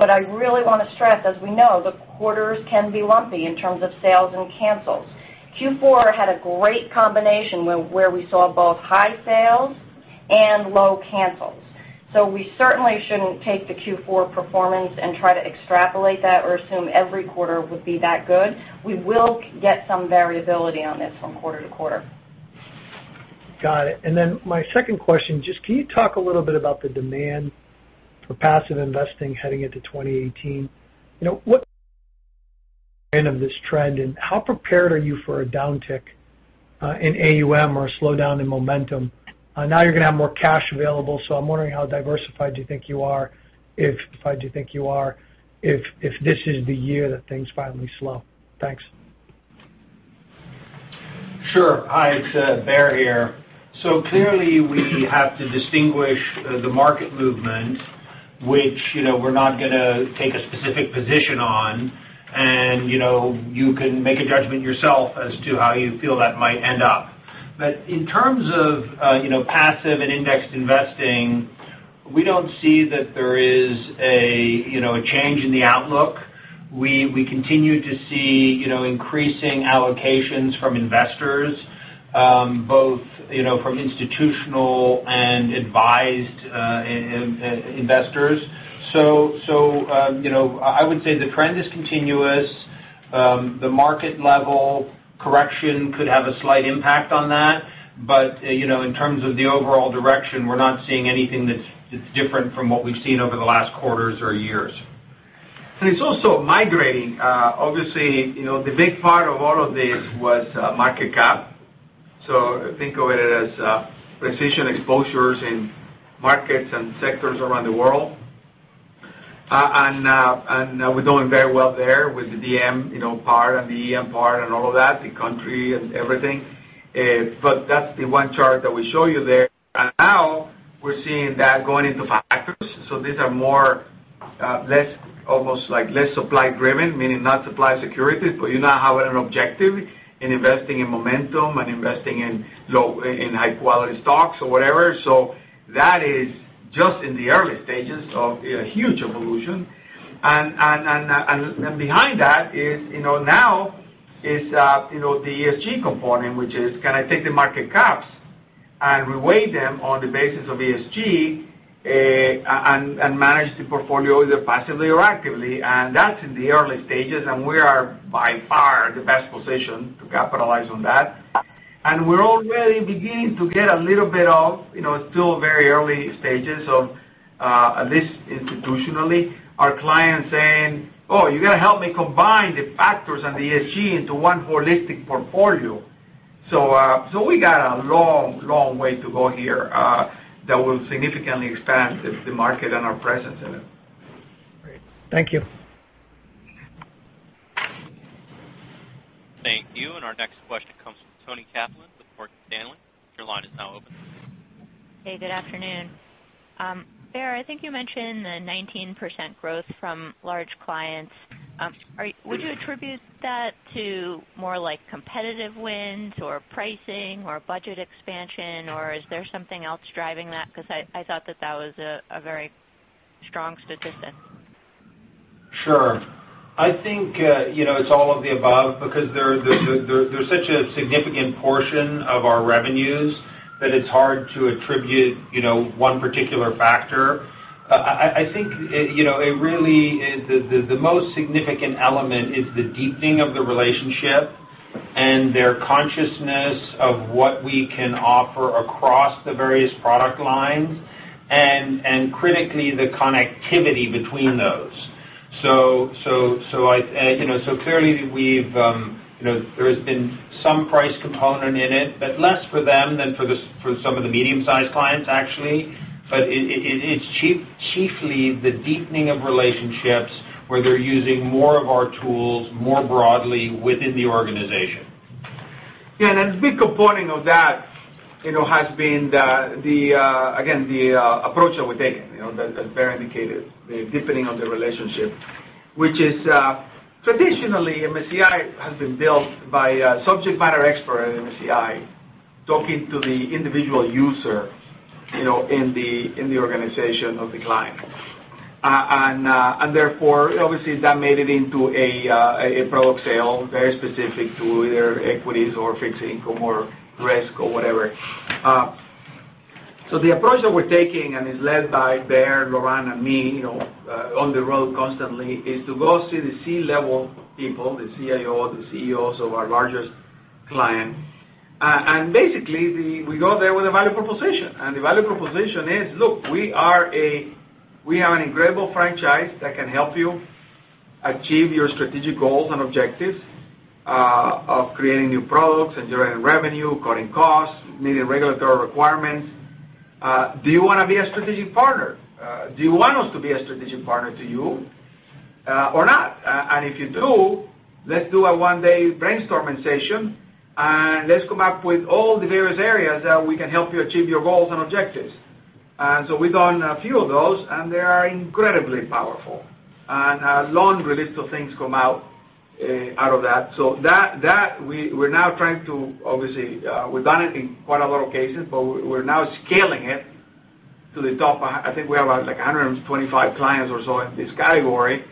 I really want to stress, as we know, the quarters can be lumpy in terms of sales and cancels. Q4 had a great combination where we saw both high sales and low cancels. We certainly shouldn't take the Q4 performance and try to extrapolate that or assume every quarter would be that good. We will get some variability on this from quarter-to-quarter. Got it. My second question, just can you talk a little bit about the demand for passive investing heading into 2018? What end of this trend, and how prepared are you for a downtick in AUM or a slowdown in momentum? Now you're going to have more cash available, so I'm wondering how diversified you think you are if this is the year that things finally slow. Thanks. Sure. Hi, it's Baer here. Clearly we have to distinguish the market movement, which we're not going to take a specific position on. You can make a judgment yourself as to how you feel that might end up. In terms of passive and indexed investing, we don't see that there is a change in the outlook. We continue to see increasing allocations from investors, both from institutional and advised investors. I would say the trend is continuous. The market level correction could have a slight impact on that. In terms of the overall direction, we're not seeing anything that's different from what we've seen over the last quarters or years. It's also migrating. Obviously, the big part of all of this was market cap. Think of it as precision exposures in markets and sectors around the world. We're doing very well there with the DM part and the EM part and all of that, the country and everything. That's the one chart that we show you there. Now we're seeing that going into factors. These are almost less supply driven, meaning not supply securities, but you now have an objective in investing in momentum and investing in high-quality stocks or whatever. That is just in the early stages of a huge evolution. Behind that now is the ESG component, which is, can I take the market caps and re-weigh them on the basis of ESG, and manage the portfolio either passively or actively? That's in the early stages, and we are by far in the best position to capitalize on that. We're already beginning to get a little bit of, it's still very early stages of, at least institutionally, our clients saying, "Oh, you got to help me combine the factors and the ESG into one holistic portfolio." We got a long way to go here that will significantly expand the market and our presence in it. Great. Thank you. Thank you. Our next question comes from Toni Kaplan with Morgan Stanley. Your line is now open. Hey, good afternoon. Baer, I think you mentioned the 19% growth from large clients. Would you attribute that to more competitive wins or pricing or budget expansion, or is there something else driving that? I thought that was a very strong statistic. Sure. I think it's all of the above because they're such a significant portion of our revenues that it's hard to attribute one particular factor. I think the most significant element is the deepening of the relationship and their consciousness of what we can offer across the various product lines and critically, the connectivity between those. Clearly, there's been some price component in it, but less for them than for some of the medium-sized clients, actually. It's chiefly the deepening of relationships where they're using more of our tools more broadly within the organization. Yeah. A big component of that has been, again, the approach that we're taking, that Baer indicated, the deepening of the relationship, which is traditionally, MSCI has been built by a subject matter expert at MSCI talking to the individual user in the organization of the client. Therefore, obviously, that made it into a product sale very specific to either equities or fixed income or risk or whatever. The approach that we're taking, and is led by Baer, Laurent, and me on the road constantly, is to go see the C-level people, the CIO, the CEOs of our largest client. Basically, we go there with a value proposition. The value proposition is, look, we have an incredible franchise that can help you achieve your strategic goals and objectives of creating new products, engineering revenue, cutting costs, meeting regulatory requirements. Do you want to be a strategic partner? Do you want us to be a strategic partner to you or not? If you do, let's do a one-day brainstorming session, and let's come up with all the various areas that we can help you achieve your goals and objectives. We've done a few of those, and they are incredibly powerful. A long list of things come out of that. We've done it in quite a lot of cases, but we're now scaling it to the top. I think we have like 125 clients or so in this category.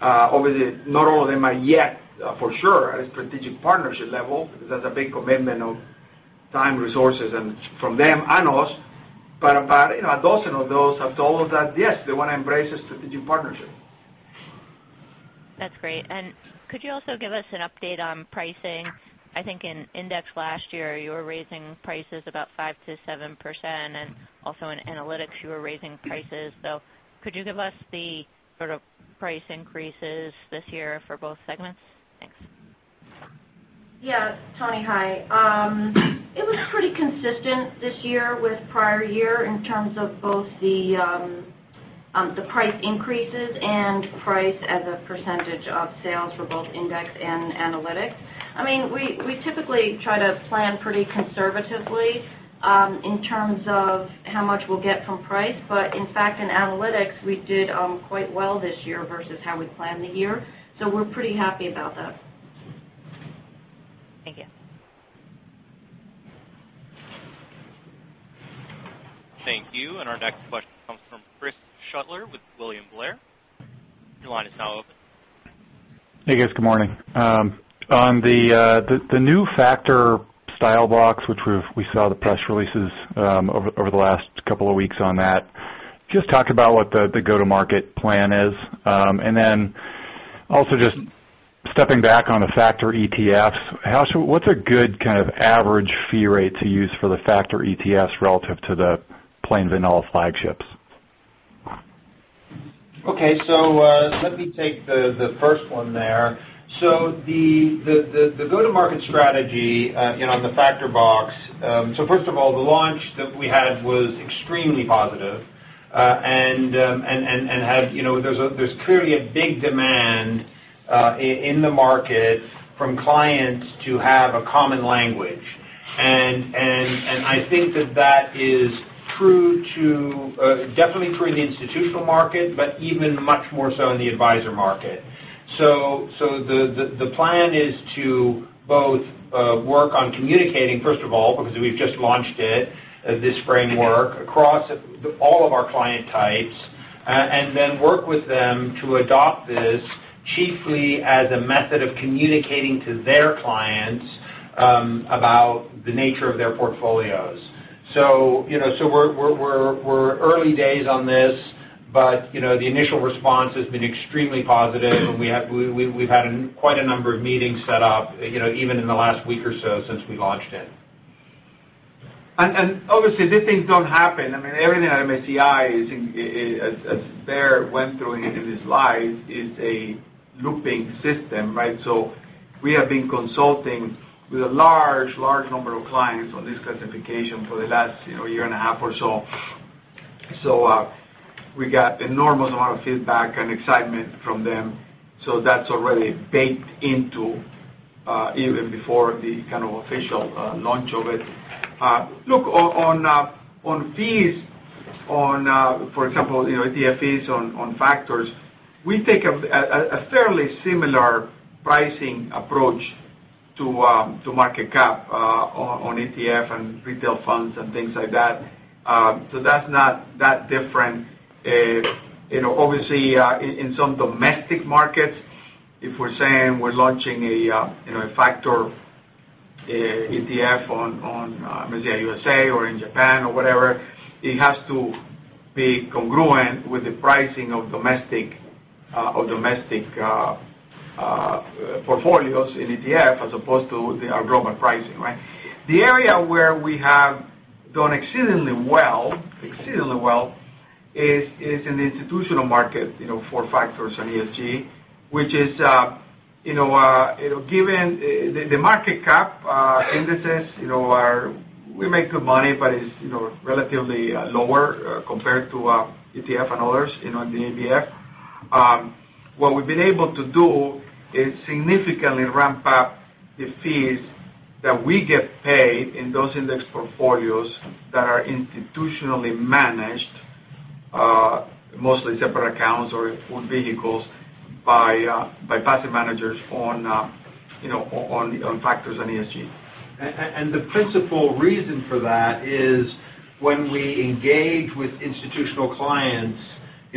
Obviously, not all of them are yet for sure at a strategic partnership level, because that's a big commitment of time, resources from them and us. About a dozen of those have told us that, yes, they want to embrace a strategic partnership. That's great. Could you also give us an update on pricing? I think in index last year, you were raising prices about 5%-7%, and also in analytics, you were raising prices. Could you give us the sort of price increases this year for both segments? Thanks. Yeah. Toni, hi. It was pretty consistent this year with prior year in terms of both the price increases and price as a percentage of sales for both index and analytics. We typically try to plan pretty conservatively in terms of how much we'll get from price. In fact, in analytics, we did quite well this year versus how we planned the year. We're pretty happy about that. Thank you. Thank you. Our next question comes from Chris Shutler with William Blair. Your line is now open. Hey, guys. Good morning. On the new factor style blocks, which we saw the press releases over the last couple of weeks on that, just talk about what the go-to-market plan is. Stepping back on the factor ETFs, what's a good kind of average fee rate to use for the factor ETFs relative to the plain vanilla flagships? Okay. Let me take the first one there. The go-to-market strategy on the factor box. First of all, the launch that we had was extremely positive, and there's clearly a big demand in the market from clients to have a common language. I think that that is definitely true in the institutional market, but even much more so in the advisor market. The plan is to both work on communicating, first of all, because we've just launched it, this framework, across all of our client types, and then work with them to adopt this chiefly as a method of communicating to their clients about the nature of their portfolios. We're early days on this, but the initial response has been extremely positive, and we've had quite a number of meetings set up even in the last week or so since we launched it. Obviously, these things don't happen. Everything at MSCI, as Baer went through in his slides, is a looping system, right? We have been consulting with a large number of clients on this classification for the last year and a half or so. We got enormous amount of feedback and excitement from them. That's already baked into even before the kind of official launch of it. Look, on fees on, for example, ETFs on factors, we take a fairly similar pricing approach to market cap on ETF, and retail funds, and things like that. That's not that different. Obviously, in some domestic markets, if we're saying we're launching a factor ETF on MSCI USA or in Japan or wherever, it has to be congruent with the pricing of domestic portfolios in ETF as opposed to the global pricing, right? The area where we have done exceedingly well is in the institutional market for factors on ESG, which is given the market cap indices, we make good money, but it's relatively lower compared to ETF and others in the NBF. What we've been able to do is significantly ramp up the fees that we get paid in those index portfolios that are institutionally managed, mostly separate accounts or vehicles by passive managers on factors on ESG. The principal reason for that is when we engage with institutional clients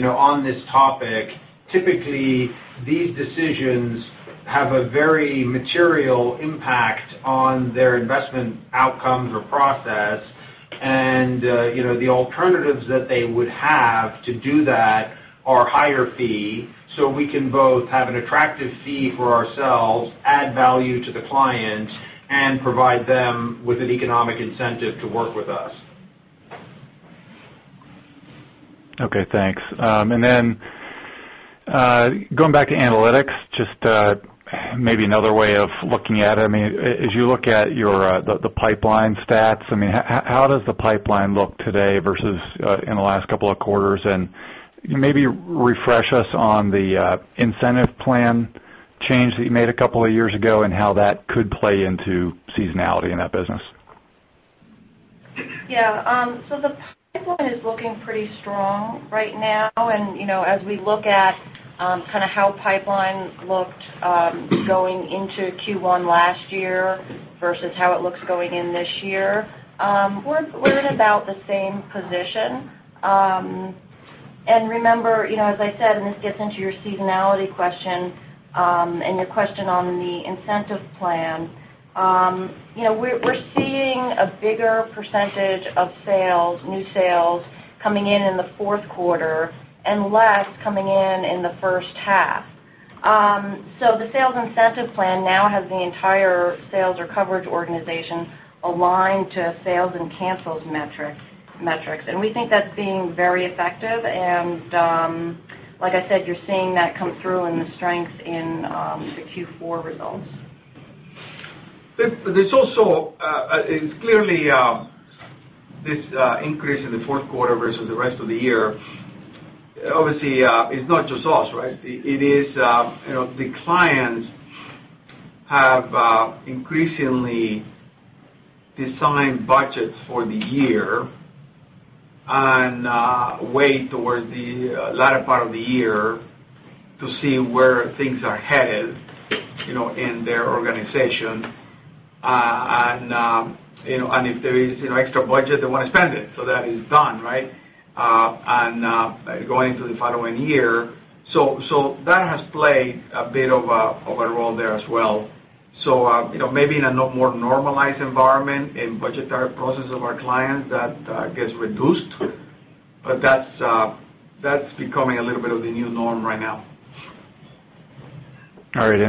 on this topic, typically these decisions have a very material impact on their investment outcomes or process. The alternatives that they would have to do that are higher fee. We can both have an attractive fee for ourselves, add value to the client, and provide them with an economic incentive to work with us. Okay, thanks. Going back to analytics, just maybe another way of looking at it. As you look at the pipeline stats, how does the pipeline look today versus in the last couple of quarters? Maybe refresh us on the incentive plan change that you made a couple of years ago, and how that could play into seasonality in that business. The pipeline is looking pretty strong right now. As we look at kind of how pipeline looked going into Q1 last year versus how it looks going in this year, we're in about the same position. Remember, as I said, this gets into your seasonality question, and your question on the incentive plan, we're seeing a bigger percentage of new sales coming in the fourth quarter and less coming in the first half. The sales incentive plan now has the entire sales or coverage organization aligned to sales and cancels metrics. We think that's being very effective. Like I said, you're seeing that come through in the strength in the Q4 results. There's also, it's clearly this increase in the fourth quarter versus the rest of the year. Obviously, it's not just us, right? The clients have increasingly designed budgets for the year and wait towards the latter part of the year to see where things are headed in their organization. If there is extra budget, they want to spend it. That is done, right? Going into the following year. That has played a bit of a role there as well. Maybe in a more normalized environment, in budgetary process of our clients, that gets reduced. That's becoming a little bit of the new norm right now. Right,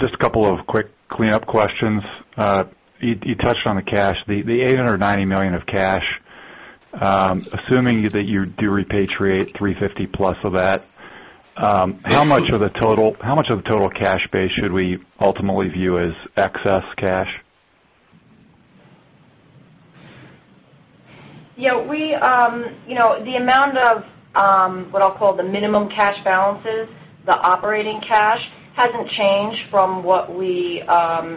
just a couple of quick cleanup questions. You touched on the cash, the $890 million of cash. Assuming that you do repatriate $350+ of that, how much of the total cash base should we ultimately view as excess cash? The amount of what I'll call the minimum cash balances, the operating cash, hasn't changed from what we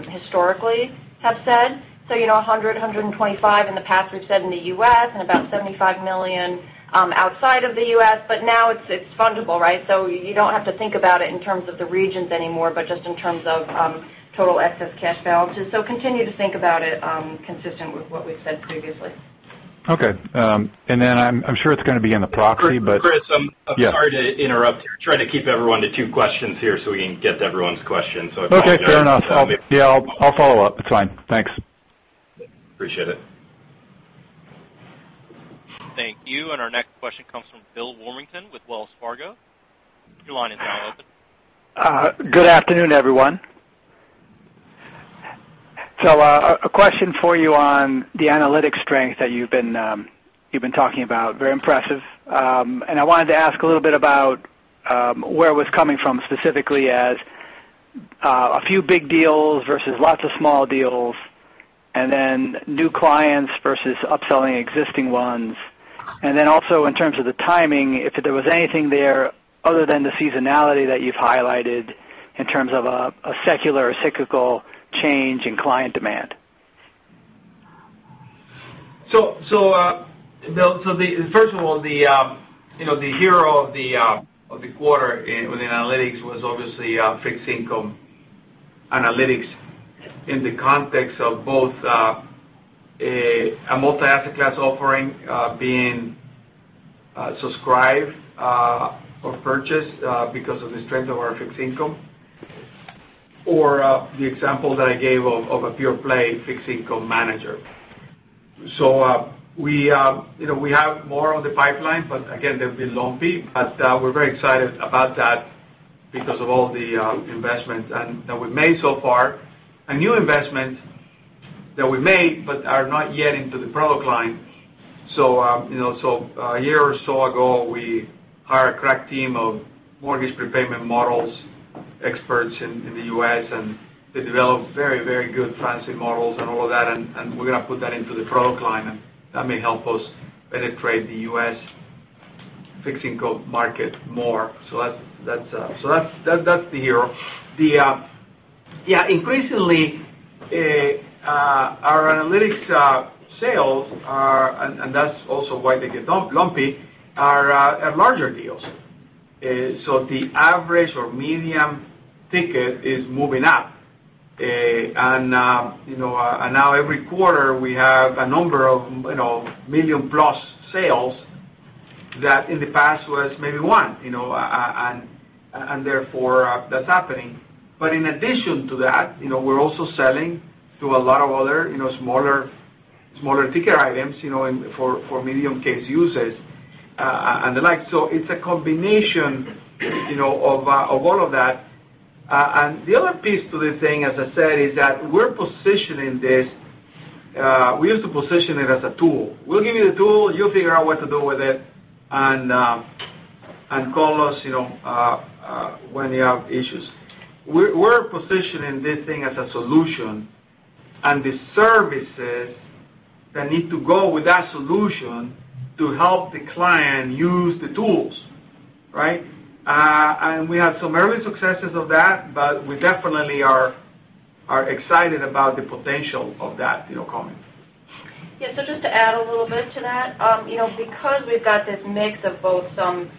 historically have said. $100, $125 in the past, we've said in the U.S., and about $75 million outside of the U.S. Now it's fundable, right? You don't have to think about it in terms of the regions anymore, but just in terms of total excess cash balances. Continue to think about it consistent with what we've said previously. Okay. I'm sure it's going to be in the proxy, but- Chris, I'm sorry to interrupt you. I'm trying to keep everyone to two questions here so we can get to everyone's questions. Apologize for that. Okay, fair enough. I'll follow up. It's fine. Thanks. Appreciate it. Thank you. Our next question comes from Bill Warmington with Wells Fargo. Your line is now open. Good afternoon, everyone. A question for you on the analytics strength that you've been talking about, very impressive. I wanted to ask a little bit about where it was coming from, specifically as a few big deals versus lots of small deals, new clients versus upselling existing ones. Also in terms of the timing, if there was anything there other than the seasonality that you've highlighted in terms of a secular or cyclical change in client demand. First of all, the hero of the quarter within analytics was obviously fixed income analytics in the context of both a multi-asset class offering being subscribed or purchased because of the strength of our fixed income or the example that I gave of a pure play fixed income manager. We have more on the pipeline, but again, they'll be lumpy, but we're very excited about that because of all the investments that we've made so far. A new investment that we made but are not yet into the product line. A year or so ago, we hired a crack team of mortgage prepayment models experts in the U.S., and they developed very good pricing models and all of that, and we're going to put that into the product line. That may help us penetrate the U.S. fixed income market more. That's the hero. Increasingly, our analytics sales are, and that's also why they get lumpy, are larger deals. The average or medium ticket is moving up. Now every quarter, we have a number of million-plus sales that in the past was maybe one, and therefore that's happening. In addition to that, we're also selling to a lot of other smaller ticket items for medium case uses and the like. It's a combination of all of that. The other piece to this thing, as I said, is that we're positioning this. We used to position it as a tool. We'll give you the tool, you'll figure out what to do with it, and call us when you have issues. We're positioning this thing as a solution and the services that need to go with that solution to help the client use the tools. Right? We have some early successes of that, we definitely are excited about the potential of that coming. Just to add a little bit to that. Because we've got this mix of both some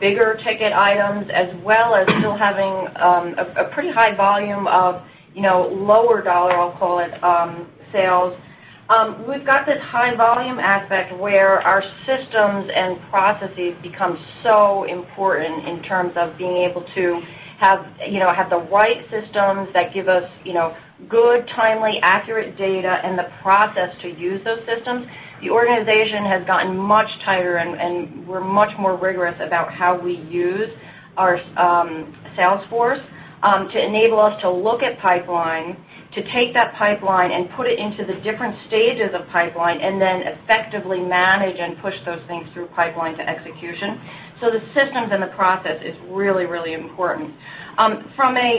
bigger ticket items as well as still having a pretty high volume of lower dollar, I'll call it, sales. We've got this high volume aspect where our systems and processes become so important in terms of being able to have the right systems that give us good, timely, accurate data, and the process to use those systems. The organization has gotten much tighter, and we're much more rigorous about how we use our Salesforce to enable us to look at pipeline, to take that pipeline and put it into the different stages of pipeline, and then effectively manage and push those things through pipeline to execution. The systems and the process is really important.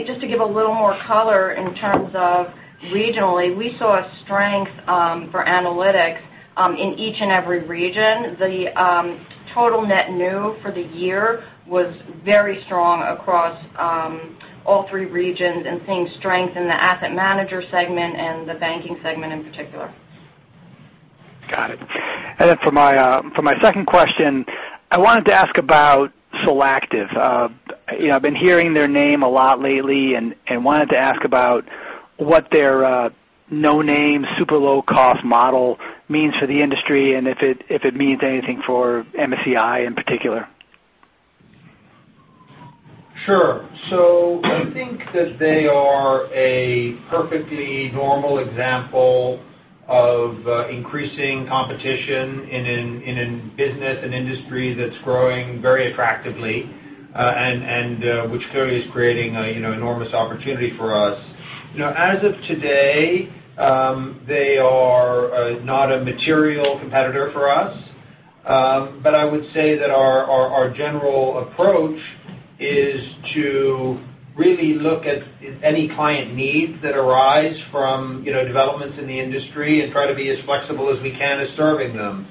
Just to give a little more color in terms of regionally, we saw a strength for analytics in each and every region. The total net new for the year was very strong across all three regions and seeing strength in the asset manager segment and the banking segment in particular. Got it. For my second question, I wanted to ask about Solactive. I've been hearing their name a lot lately, and wanted to ask about what their no-name, super low-cost model means for the industry, and if it means anything for MSCI in particular. Sure. I think that they are a perfectly normal example of increasing competition in a business and industry that's growing very attractively, and which clearly is creating enormous opportunity for us. As of today, they are not a material competitor for us. I would say that our general approach is to really look at any client needs that arise from developments in the industry and try to be as flexible as we can at serving them.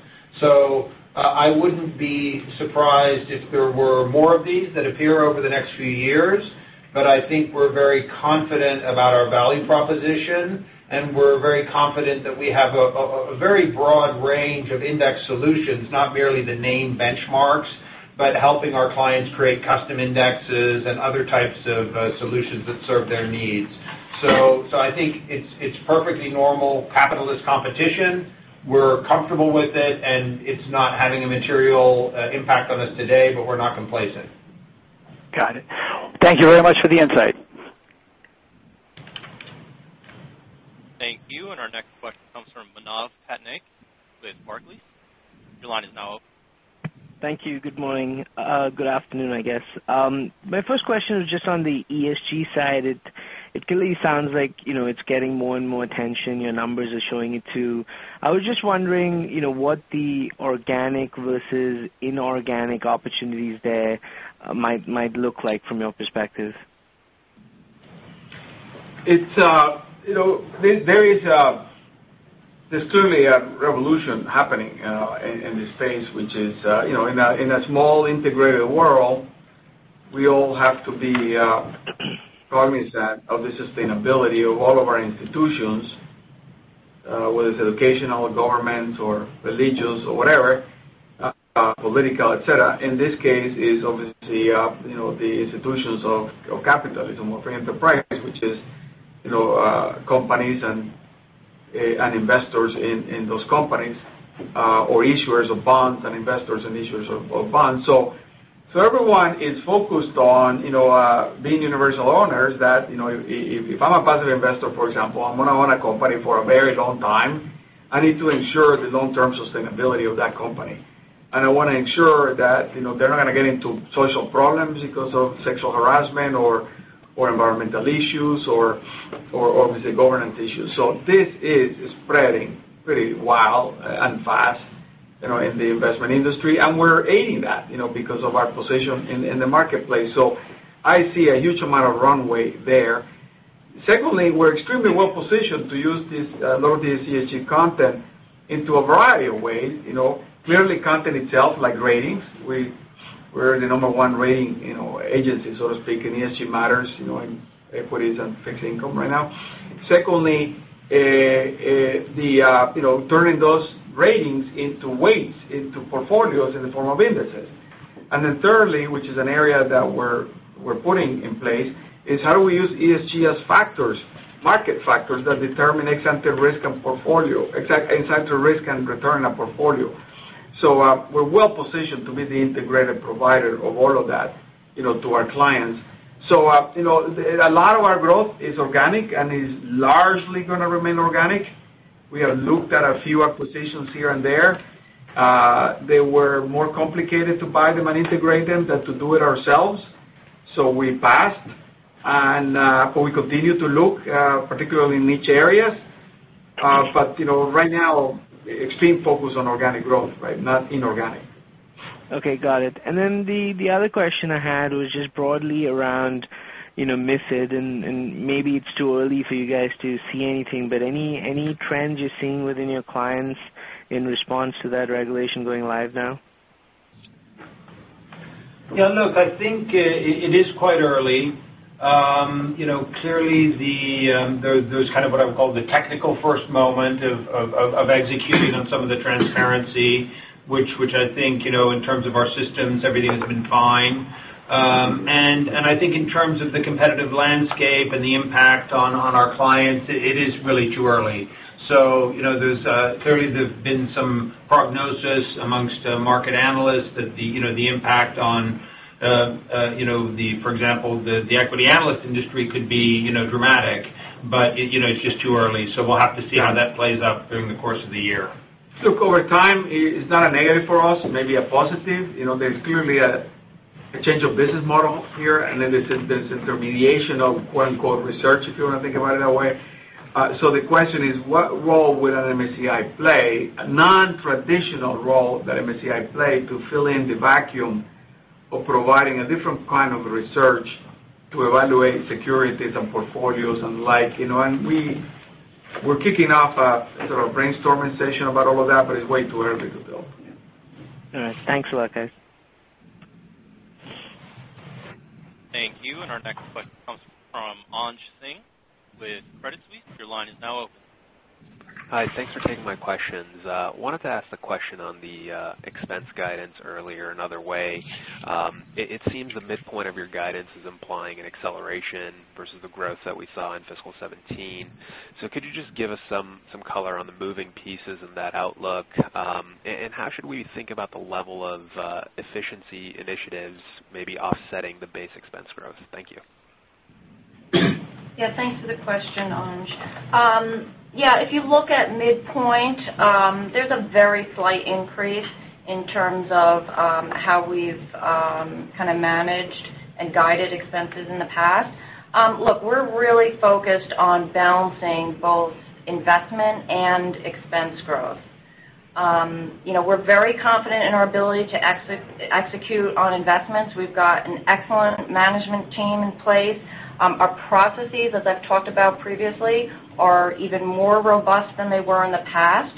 I wouldn't be surprised if there were more of these that appear over the next few years, but I think we're very confident about our value proposition, and we're very confident that we have a very broad range of index solutions, not merely the name benchmarks, but helping our clients create custom indexes and other types of solutions that serve their needs. I think it's perfectly normal capitalist competition. We're comfortable with it, and it's not having a material impact on us today, but we're not complacent. Got it. Thank you very much for the insight. Thank you. Our next question comes from Manav Patnaik with Barclays. Your line is now open. Thank you. Good morning. Good afternoon, I guess. My first question is just on the ESG side. It clearly sounds like it's getting more and more attention. Your numbers are showing it too. I was just wondering what the organic versus inorganic opportunities there might look like from your perspective. There's certainly a revolution happening in this space, which is, in a small integrated world, we all have to be cognizant of the sustainability of all of our institutions, whether it's educational, government, or religious, or whatever, political, et cetera. In this case, it's obviously the institutions of capitalism or for enterprise, which is companies and investors in those companies, or issuers of bonds and investors and issuers of bonds. Everyone is focused on being universal owners that, if I'm a positive investor, for example, I'm going to own a company for a very long time. I need to ensure the long-term sustainability of that company. I want to ensure that they're not going to get into social problems because of sexual harassment or environmental issues or obviously governance issues. This is spreading pretty wild and fast in the investment industry, and we're aiding that because of our position in the marketplace. I see a huge amount of runway there. Secondly, we're extremely well-positioned to use a lot of the ESG content into a variety of ways. Clearly, content itself, like ratings. We're the number one rating agency, so to speak, in ESG matters in equities and fixed income right now. Secondly, turning those ratings into weights, into portfolios in the form of indexes. Thirdly, which is an area that we're putting in place, is how do we use ESG as factors, market factors that determine ex-ante risk and return on portfolio. We're well-positioned to be the integrated provider of all of that to our clients. A lot of our growth is organic and is largely going to remain organic. We have looked at a few acquisitions here and there. They were more complicated to buy them and integrate them than to do it ourselves. We passed. We continue to look, particularly in niche areas. Right now, extreme focus on organic growth, not inorganic. Okay, got it. The other question I had was just broadly around MiFID, and maybe it's too early for you guys to see anything, but any trends you're seeing within your clients in response to that regulation going live now? Yeah, look, I think it is quite early. Clearly, there's kind of what I would call the technical first moment of executing on some of the transparency, which I think, in terms of our systems, everything has been fine. I think in terms of the competitive landscape and the impact on our clients, it is really too early. There's clearly have been some prognosis amongst market analysts that the impact on, for example, the equity analyst industry could be dramatic. It's just too early, so we'll have to see how that plays out during the course of the year. Look, over time, it's not a negative for us, maybe a positive. There's clearly a change of business model here, then there's [intermediation]of "research," if you want to think about it that way. The question is, what role will an MSCI play, a non-traditional role that MSCI play to fill in the vacuum of providing a different kind of research to evaluate securities and portfolios and like? We're kicking off a sort of brainstorming session about all of that, but it's way too early to tell. All right. Thanks a lot, guys. Thank you. Our next question comes from Anj Singh with Credit Suisse. Your line is now open. Hi. Thanks for taking my questions. Wanted to ask a question on the expense guidance earlier another way. It seems the midpoint of your guidance is implying an acceleration versus the growth that we saw in fiscal 2017. Could you just give us some color on the moving pieces in that outlook? How should we think about the level of efficiency initiatives maybe offsetting the base expense growth? Thank you. Thanks for the question, Anj. If you look at midpoint, there is a very slight increase in terms of how we've kind of managed and guided expenses in the past. Look, we're really focused on balancing both investment and expense growth. We're very confident in our ability to execute on investments. We've got an excellent management team in place. Our processes, as I've talked about previously, are even more robust than they were in the past.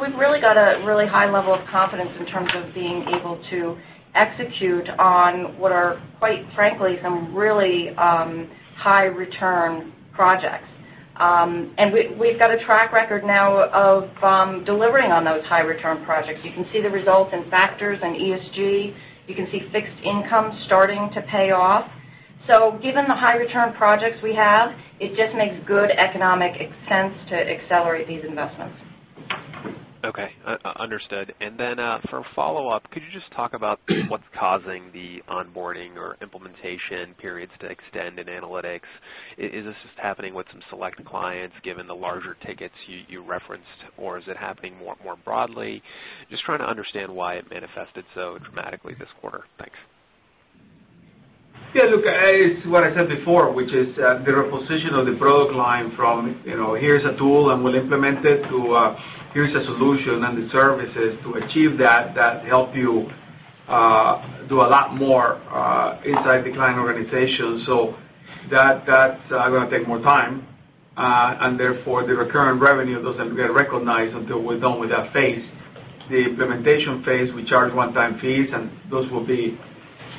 We've really got a really high level of confidence in terms of being able to execute on what are, quite frankly, some really high-return projects. We've got a track record now of delivering on those high-return projects. You can see the results in factors and ESG. You can see fixed income starting to pay off. Given the high-return projects we have, it just makes good economic sense to accelerate these investments. Okay. Understood. For follow-up, could you just talk about what's causing the onboarding or implementation periods to extend in analytics? Is this just happening with some select clients given the larger tickets you referenced, or is it happening more broadly? Just trying to understand why it manifested so dramatically this quarter. Thanks. Look, it's what I said before, which is the reposition of the product line from, here's a tool, and we'll implement it, to here's a solution and the services to achieve that help you do a lot more inside the client organization. That's going to take more time, and therefore, the recurring revenue doesn't get recognized until we're done with that phase. The implementation phase, we charge one-time fees, and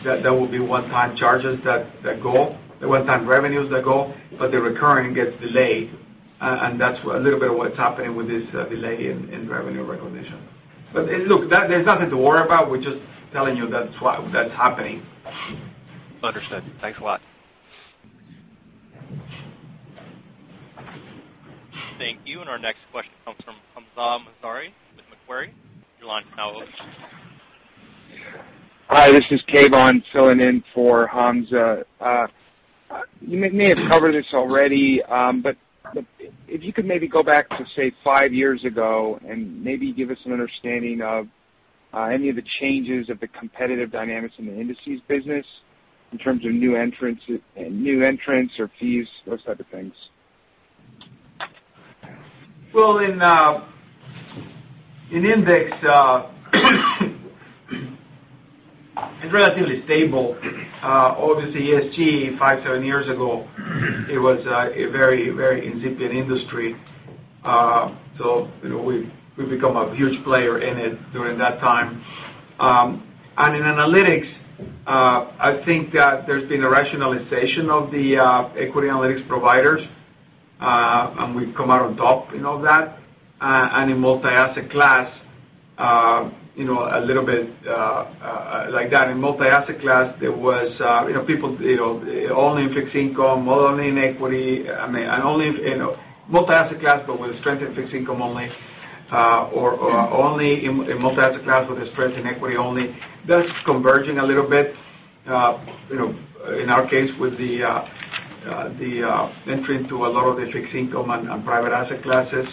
that will be one-time charges that go, the one-time revenues that go, but the recurring gets delayed. That's a little bit of what's happening with this delay in revenue recognition. Look, there's nothing to worry about. We're just telling you that's what's happening. Understood. Thanks a lot. Thank you. Our next question comes from Hamzah Mazari with Macquarie. Your line is now open. Hi, this is Kevon filling in for Hamzah. You may have covered this already, if you could maybe go back to, say, five years ago and maybe give us an understanding of any of the changes of the competitive dynamics in the indices business in terms of new entrants or fees, those types of things. Well, in index, it's relatively stable. Obviously, ESG, five, seven years ago, it was a very incipient industry. We've become a huge player in it during that time. In analytics, I think that there's been a rationalization of the equity analytics providers, we've come out on top in all that. In multi-asset class, a little bit like that. In multi-asset class, there was people only in fixed income, only in equity, I mean, only in multi-asset class, with a strength in fixed income only, or only in multi-asset class with a strength in equity only. That's converging a little bit, in our case, with the entry into a lot of the fixed income and private asset classes.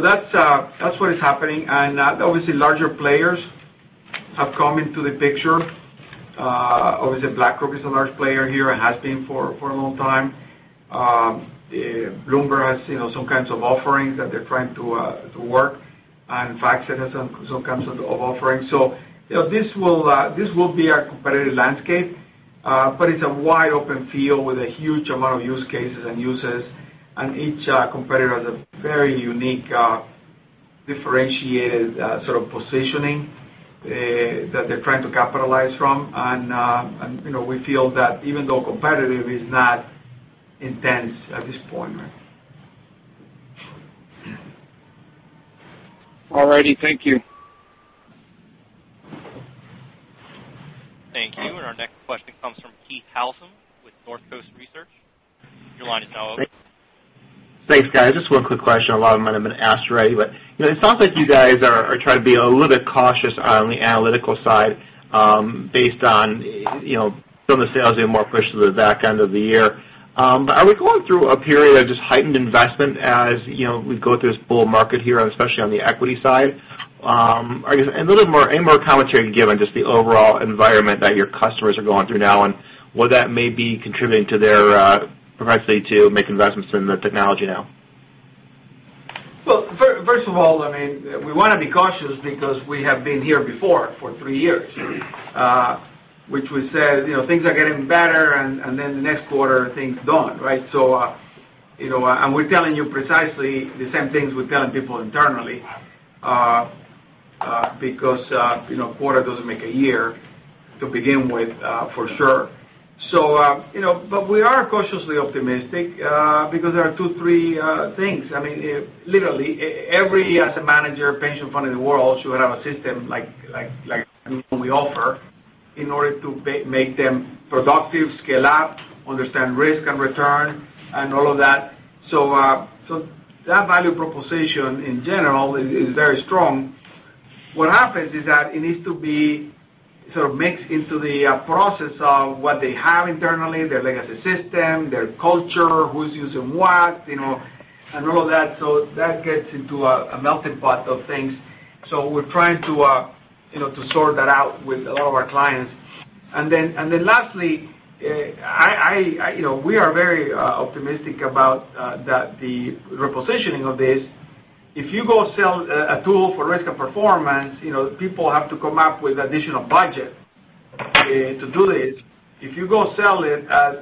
That's what is happening. Obviously, larger players have come into the picture. Obviously, BlackRock is a large player here and has been for a long time. Bloomberg has some kinds of offerings that they're trying to work, and FactSet has some kinds of offerings. This will be our competitive landscape, but it's a wide open field with a huge amount of use cases and users, and each competitor has a very unique, differentiated sort of positioning that they're trying to capitalize from. We feel that even though competitive is not intense at this point. All righty. Thank you. Thank you. Our next question comes from Keith Housum with Northcoast Research. Your line is now open. Thanks, guys. Just one quick question. A lot of them might have been asked already, but it sounds like you guys are trying to be a little bit cautious on the analytical side based on some of the sales being more pushed to the back end of the year. Are we going through a period of just heightened investment as we go through this bull market here, especially on the equity side? Any more commentary given just the overall environment that your customers are going through now, and what that may be contributing to their propensity to make investments in the technology now? Well, first of all, we want to be cautious because we have been here before for 3 years, which we said things are getting better, then the next quarter, things don't. We're telling you precisely the same things we're telling people internally. A quarter doesn't make a year to begin with, for sure. We are cautiously optimistic because there are two, three things. Literally, every asset manager, pension fund in the world should have a system like the one we offer in order to make them productive, scale up, understand risk and return, and all of that. That value proposition, in general, is very strong. What happens is that it needs to be sort of mixed into the process of what they have internally, their legacy system, their culture, who's using what, and all that. That gets into a melting pot of things. We're trying to sort that out with a lot of our clients. Lastly, we are very optimistic about the repositioning of this. If you go sell a tool for risk and performance, people have to come up with additional budget to do this. If you go sell it as,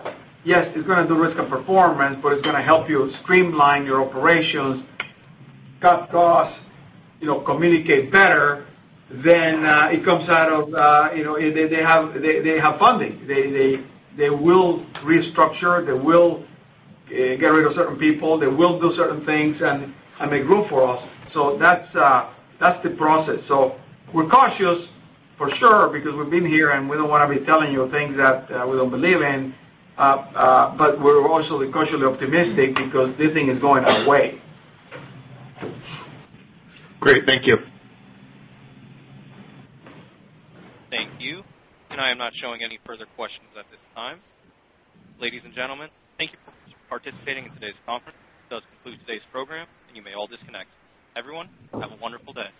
yes, it's going to do risk and performance, but it's going to help you streamline your operations, cut costs, communicate better, then they have funding. They will restructure. They will get rid of certain people. They will do certain things and make room for us. That's the process. We're cautious for sure because we've been here, and we don't want to be telling you things that we don't believe in. We're also cautiously optimistic because this thing is going our way. Great. Thank you. Thank you. I am not showing any further questions at this time. Ladies and gentlemen, thank you for participating in today's conference. That does conclude today's program, and you may all disconnect. Everyone, have a wonderful day.